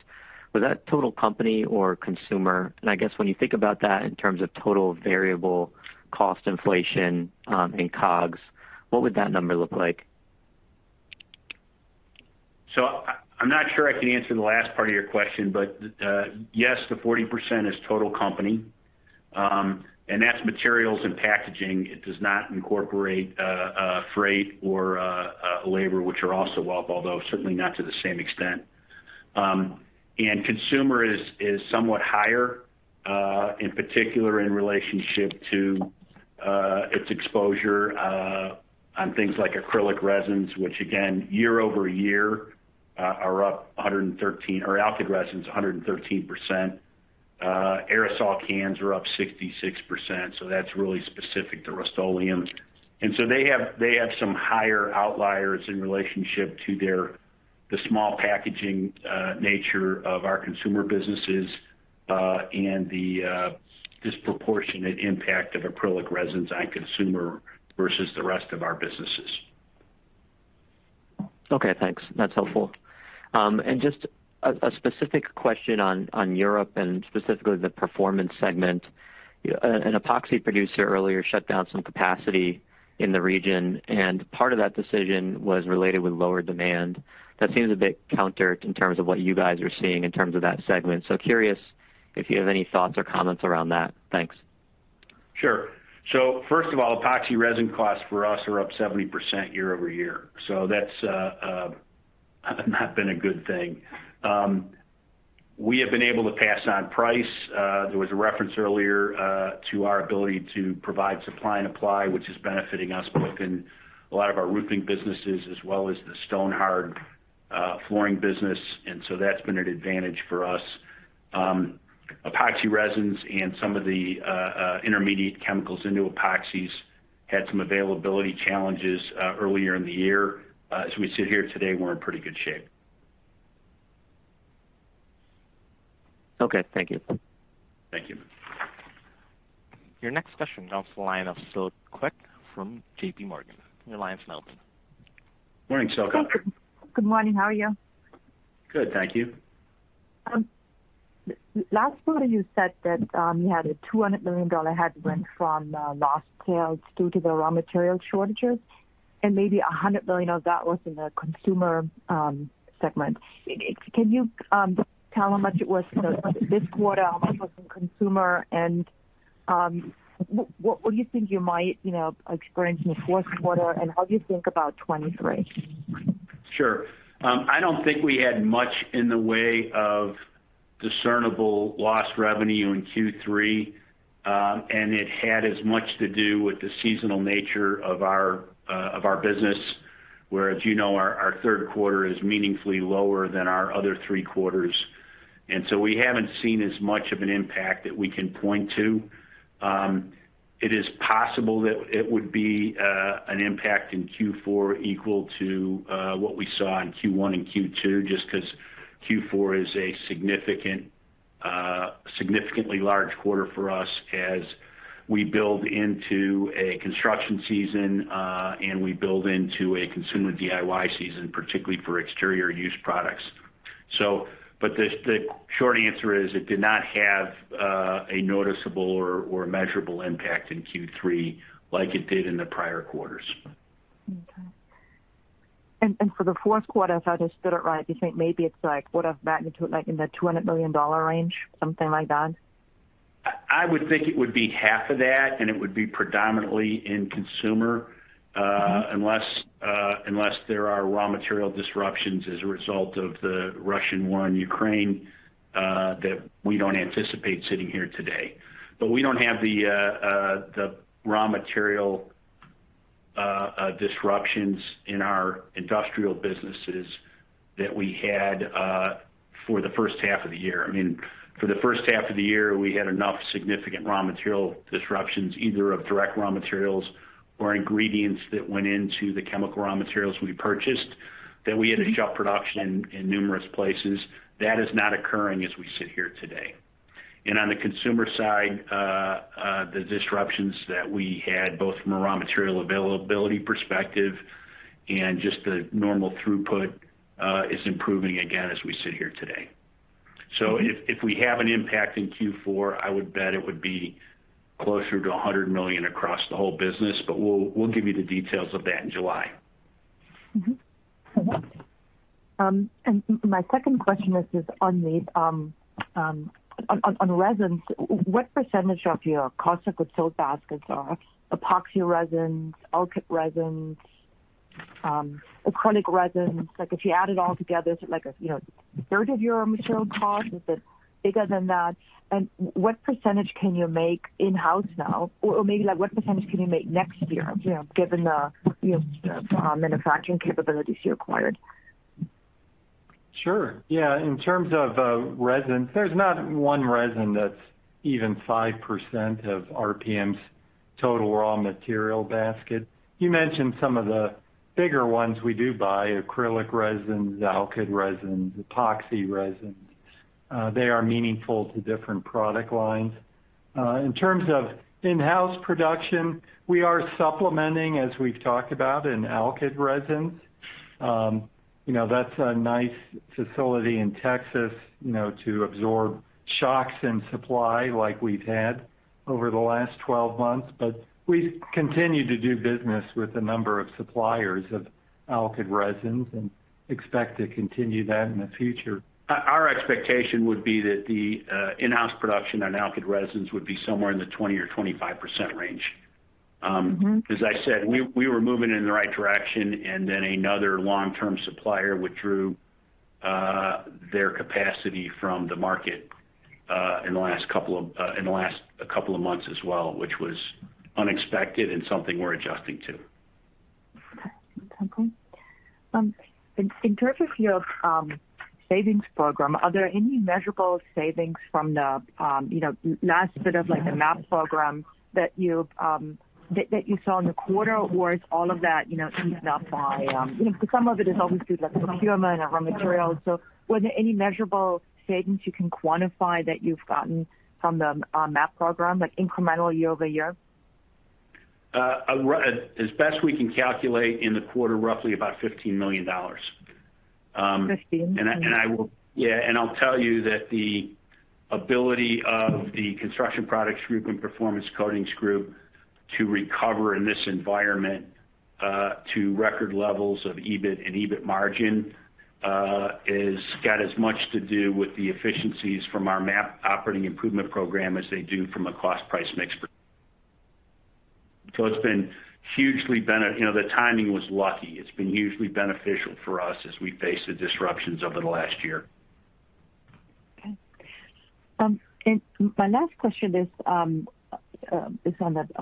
was that total company or consumer? I guess when you think about that in terms of total variable cost inflation, and COGS, what would that number look like? I'm not sure I can answer the last part of your question, but yes, the 40% is total company, and that's materials and packaging. It does not incorporate freight or labor, which are also up, although certainly not to the same extent. Consumer is somewhat higher, in particular in relationship to its exposure on things like acrylic resins, which again, year-over-year, are up 113%, or alkyd resins 113%. Aerosol cans are up 66%, so that's really specific to Rust-Oleum. They have some higher outliers in relationship to their the small packaging nature of our consumer businesses, and the disproportionate impact of acrylic resins on consumer versus the rest of our businesses. Okay, thanks. That's helpful. Just a specific question on Europe and specifically the performance segment. An epoxy producer earlier shut down some capacity in the region, and part of that decision was related with lower demand. That seems a bit counter in terms of what you guys are seeing in terms of that segment. Curious if you have any thoughts or comments around that. Thanks. Sure. First of all, epoxy resin costs for us are up 70% year-over-year. That's not been a good thing. We have been able to pass on price. There was a reference earlier to our ability to provide supply and apply, which is benefiting us both in a lot of our roofing businesses as well as the Stonhard flooring business. That's been an advantage for us. Epoxy resins and some of the intermediate chemicals into epoxies had some availability challenges earlier in the year. As we sit here today, we're in pretty good shape. Okay, thank you. Thank you. Your next question comes from the line of Silke Kueck from JPMorgan. Your line's now open. Morning, Silke. Good morning. How are you? Good, thank you. Last quarter you said that you had a $200 million headwind from lost sales due to the raw material shortages, and maybe $100 million of that was in the consumer segment. Can you tell how much it was this quarter, how much was in consumer, and what would you think you might experience in the fourth quarter, and how do you think about 2023? Sure. I don't think we had much in the way of discernible lost revenue in Q3, and it had as much to do with the seasonal nature of our business, where, as you know, our third quarter is meaningfully lower than our other three quarters. We haven't seen as much of an impact that we can point to. It is possible that it would be an impact in Q4 equal to what we saw in Q1 and Q2, just 'cause Q4 is a significantly large quarter for us as we build into a construction season, and we build into a consumer DIY season, particularly for exterior use products. The short answer is it did not have a noticeable or measurable impact in Q3 like it did in the prior quarters. For the fourth quarter, if I just put it right, do you think maybe it's like order of magnitude, like in the $200 million range, something like that? I would think it would be half of that, and it would be predominantly in consumer, unless there are raw material disruptions as a result of the Russian war on Ukraine that we don't anticipate sitting here today. But we don't have the raw material disruptions in our industrial businesses that we had for the first half of the year. I mean, for the first half of the year, we had enough significant raw material disruptions, either of direct raw materials or ingredients that went into the chemical raw materials we purchased, that we had to shut production in numerous places. That is not occurring as we sit here today. On the consumer side, the disruptions that we had both from a raw material availability perspective and just the normal throughput is improving again as we sit here today. If we have an impact in Q4, I would bet it would be closer to $100 million across the whole business, but we'll give you the details of that in July. My second question is on resins. What percentage of your cost of goods sold baskets are epoxy resins, alkyd resins, acrylic resins? Like if you add it all together, is it like a third of your material cost? Is it bigger than that? And what percentage can you make in-house now? Or maybe like what percentage can you make next year, you know, given the manufacturing capabilities you acquired? Sure. Yeah. In terms of resins, there's not one resin that's even 5% of RPM's total raw material basket. You mentioned some of the bigger ones we do buy, acrylic resins, alkyd resins, epoxy resins. They are meaningful to different product lines. In terms of in-house production, we are supplementing, as we've talked about, in alkyd resins. You know, that's a nice facility in Texas, you know, to absorb shocks in supply like we've had over the last 12 months. But we continue to do business with a number of suppliers of alkyd resins, and expect to continue that in the future. Our expectation would be that the in-house production on alkyd resins would be somewhere in the 20 or 25% range. As I said, we were moving in the right direction, and then another long-term supplier withdrew their capacity from the market in the last couple of months as well, which was unexpected and something we're adjusting to. Okay. In terms of your savings program, are there any measurable savings from the last bit of like the MAP program that you saw in the quarter, or is all of that eaten up by, because some of it is obviously like procurement of raw materials. Was there any measurable savings you can quantify that you've gotten from the MAP program, like incremental year-over-year? As best we can calculate in the quarter, roughly about $15 million. 15. I'll tell you that the ability of the Construction Products Group and Performance Coatings Group to recover in this environment to record levels of EBIT and EBIT margin has got as much to do with the efficiencies from our MAP operating improvement program as they do from a cost price mix. You know, the timing was lucky. It's been hugely beneficial for us as we face the disruptions over the last year. Okay. My last question is on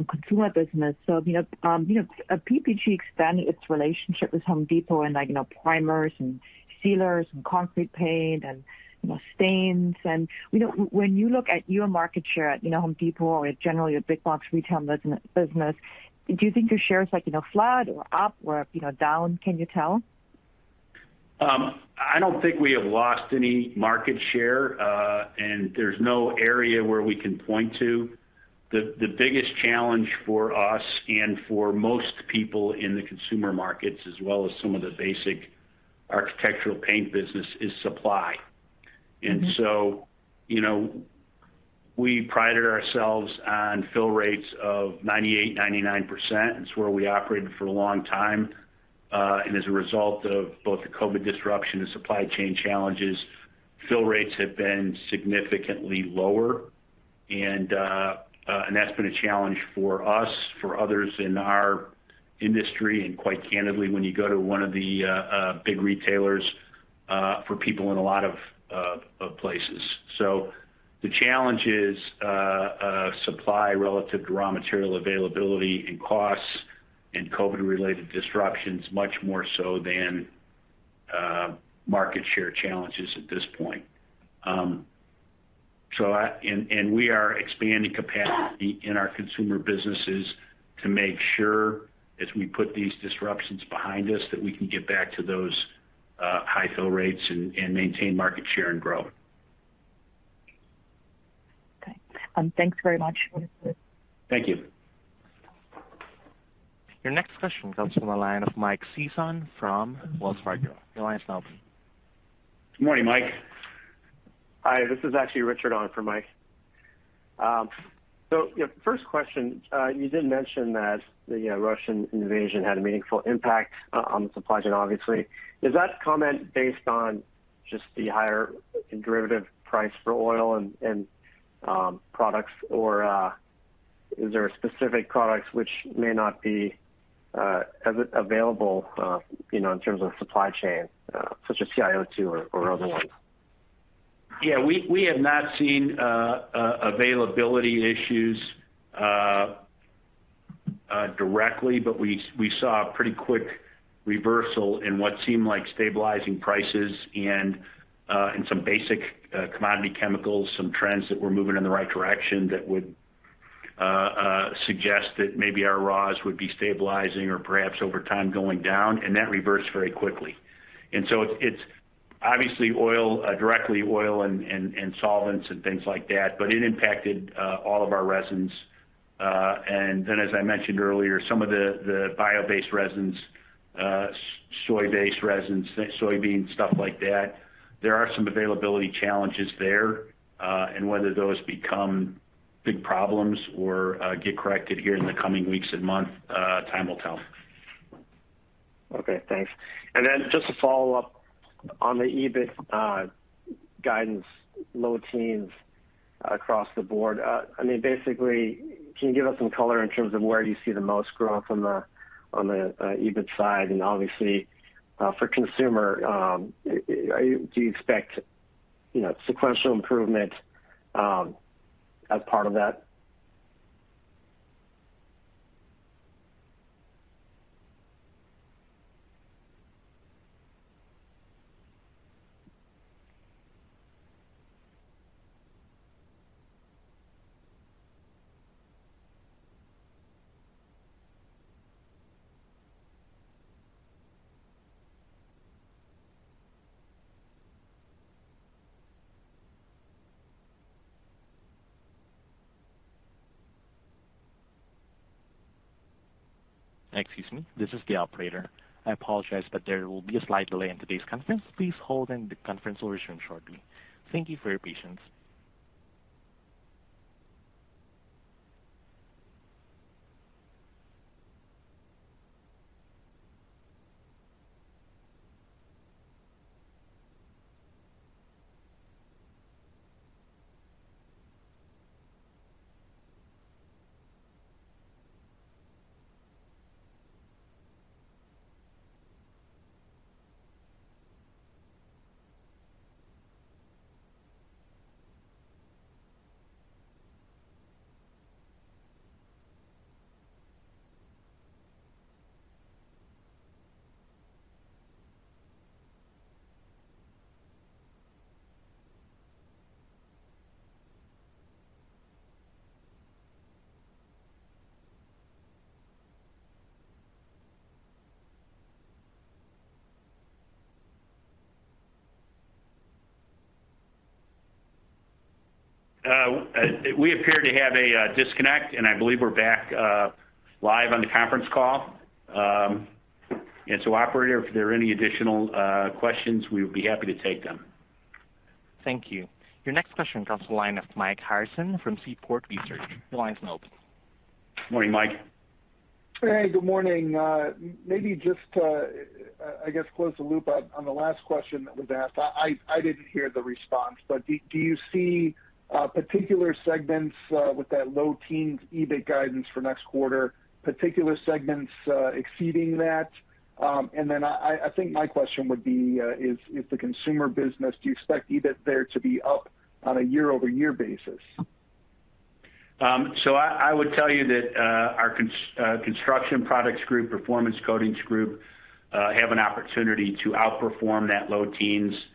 consumer business. You know, PPG expanded its relationship with Home Depot in like, you know, primers and sealers and concrete paint and, you know, stains. You know, when you look at your market share at, you know, Home Depot or generally your big box retail business, do you think your share is like, you know, flat or up or, you know, down? Can you tell? I don't think we have lost any market share, and there's no area where we can point to. The biggest challenge for us and for most people in the consumer markets, as well as some of the basic architectural paint business is supply. You know, we prided ourselves on fill rates of 98%-99%. It's where we operated for a long time. As a result of both the COVID disruption and supply chain challenges, fill rates have been significantly lower. That's been a challenge for us, for others in our industry, and quite candidly, when you go to one of the big retailers for people in a lot of places. The challenge is supply relative to raw material availability and costs and COVID-related disruptions, much more so than market share challenges at this point. We are expanding capacity in our consumer businesses to make sure, as we put these disruptions behind us, that we can get back to those high fill rates and maintain market share and grow. Okay. Thanks very much. Thank you. Your next question comes from the line of Michael Sison from Wells Fargo. Your line is now open. Good morning, Mike. Hi, this is actually Richard on for Mike. So yeah, first question, you did mention that the Russian invasion had a meaningful impact on the supply chain, obviously. Is that comment based on just the higher derivative price for oil and products, or is there specific products which may not be available, you know, in terms of supply chain, such as TiO2 or other ones? Yeah. We have not seen availability issues directly, but we saw a pretty quick reversal in what seemed like stabilizing prices and in some basic commodity chemicals, some trends that were moving in the right direction that would suggest that maybe our raws would be stabilizing or perhaps over time going down, and that reversed very quickly. It's obviously oil directly, oil and solvents and things like that, but it impacted all of our resins. And then as I mentioned earlier, some of the bio-based resins, soy-based resins, soybeans, stuff like that, there are some availability challenges there, and whether those become big problems or get corrected here in the coming weeks and months, time will tell. Okay, thanks. Then just to follow up on the EBIT guidance, low teens across the board. I mean, basically, can you give us some color in terms of where you see the most growth on the EBIT side? Obviously, for consumer, do you expect, you know, sequential improvement as part of that? Excuse me. This is the operator. I apologize, but there will be a slight delay in today's conference. Please hold and the conference will resume shortly. Thank you for your patience. We appear to have a disconnect, and I believe we're back live on the conference call. Operator, if there are any additional questions, we would be happy to take them. Thank you. Your next question comes from the line of Mike Harrison from Seaport Research. Your line's open. Morning, Mike. Hey, good morning. Maybe just to, I guess, close the loop on the last question that was asked. I didn't hear the response. Do you see particular segments with that low teens EBIT guidance for next quarter, particular segments exceeding that? I think my question would be, is the consumer business, do you expect EBIT there to be up on a year-over-year basis? I would tell you that our Construction Products Group, Performance Coatings Group have an opportunity to outperform that low teens%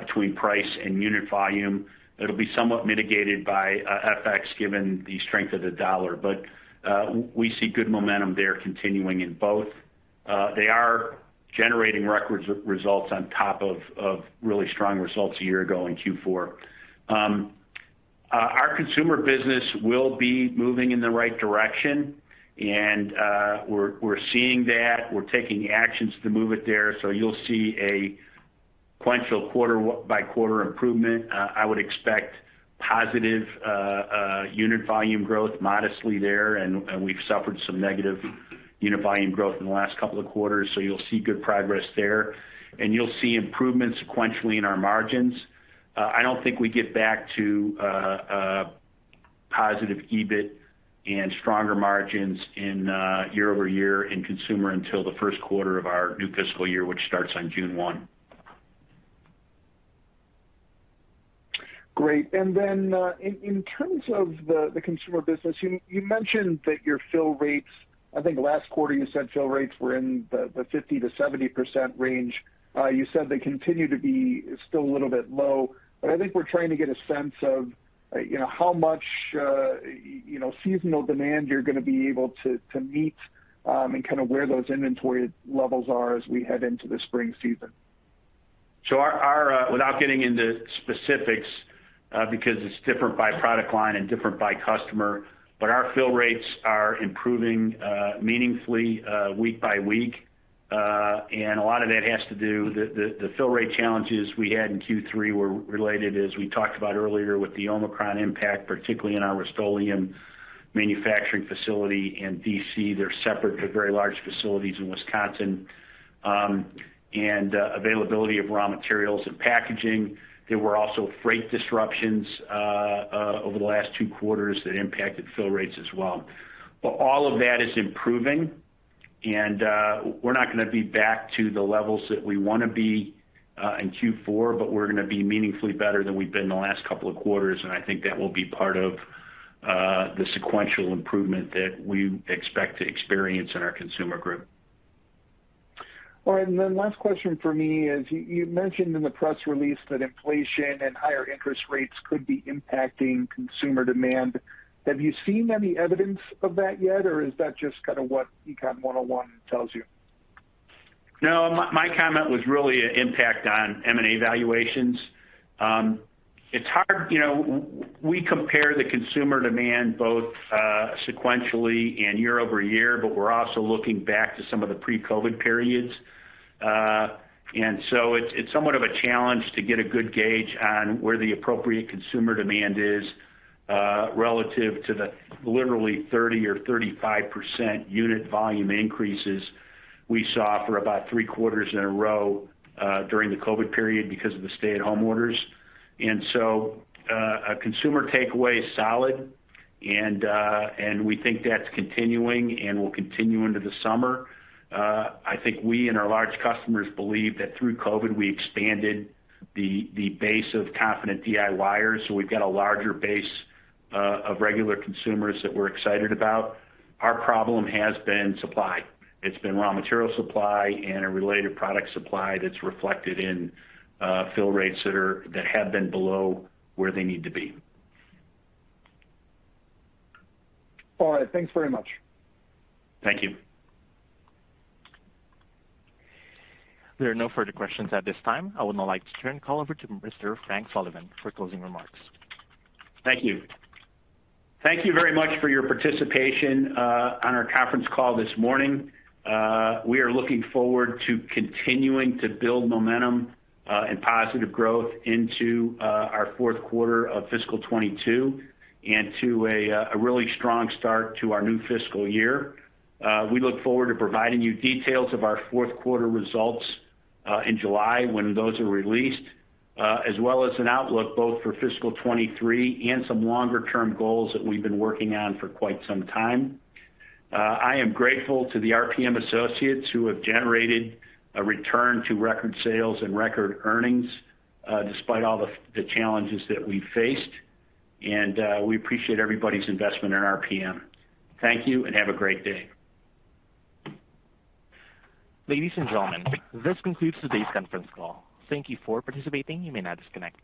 between price and unit volume. It'll be somewhat mitigated by FX given the strength of the dollar. We see good momentum there continuing in both. They are generating record results on top of really strong results a year ago in Q4. Our consumer business will be moving in the right direction, and we're seeing that. We're taking actions to move it there. You'll see a sequential quarter-by-quarter improvement. I would expect positive unit volume growth modestly there. We've suffered some negative unit volume growth in the last couple of quarters. You'll see good progress there. You'll see improvements sequentially in our margins. I don't think we get back to positive EBIT and stronger margins in year-over-year in consumer until the first quarter of our new fiscal year, which starts on June 1. Great. In terms of the consumer business, you mentioned that your fill rates, I think last quarter you said fill rates were in the 50%-70% range. You said they continue to be still a little bit low. I think we're trying to get a sense of, you know, how much, you know, seasonal demand you're gonna be able to meet, and kind of where those inventory levels are as we head into the spring season. Our fill rates are improving meaningfully week by week. A lot of that has to do with the fill rate challenges we had in Q3, which were related, as we talked about earlier, with the Omicron impact, particularly in our Rust-Oleum manufacturing facility in D.C. They're separate, but very large facilities in Wisconsin, availability of raw materials and packaging. There were also freight disruptions over the last two quarters that impacted fill rates as well. All of that is improving. We're not gonna be back to the levels that we wanna be in Q4, but we're gonna be meaningfully better than we've been in the last couple of quarters. I think that will be part of the sequential improvement that we expect to experience in our consumer group. All right. Last question for me is, you mentioned in the press release that inflation and higher interest rates could be impacting consumer demand. Have you seen any evidence of that yet, or is that just kinda what Econ 101 tells you? No, my comment was really an impact on M&A valuations. It's hard. You know, we compare the consumer demand both sequentially and year over year, but we're also looking back to some of the pre-COVID periods. It's somewhat of a challenge to get a good gauge on where the appropriate consumer demand is relative to the literally 30%-35% unit volume increases we saw for about three quarters in a row during the COVID period because of the stay-at-home orders. Our consumer takeaway is solid, and we think that's continuing and will continue into the summer. I think we and our large customers believe that through COVID, we expanded the base of confident DIYers. We've got a larger base of regular consumers that we're excited about. Our problem has been supply. It's been raw material supply and a related product supply that's reflected in fill rates that have been below where they need to be. All right. Thanks very much. Thank you. There are no further questions at this time. I would now like to turn the call over to Mr. Frank Sullivan for closing remarks. Thank you. Thank you very much for your participation on our conference call this morning. We are looking forward to continuing to build momentum and positive growth into our fourth quarter of fiscal 2022 and to a really strong start to our new fiscal year. We look forward to providing you details of our fourth quarter results in July when those are released as well as an outlook both for fiscal 2023 and some longer term goals that we've been working on for quite some time. I am grateful to the RPM associates who have generated a return to record sales and record earnings despite all the challenges that we faced. We appreciate everybody's investment in RPM. Thank you and have a great day. Ladies and gentlemen, this concludes today's conference call. Thank you for participating. You may now disconnect.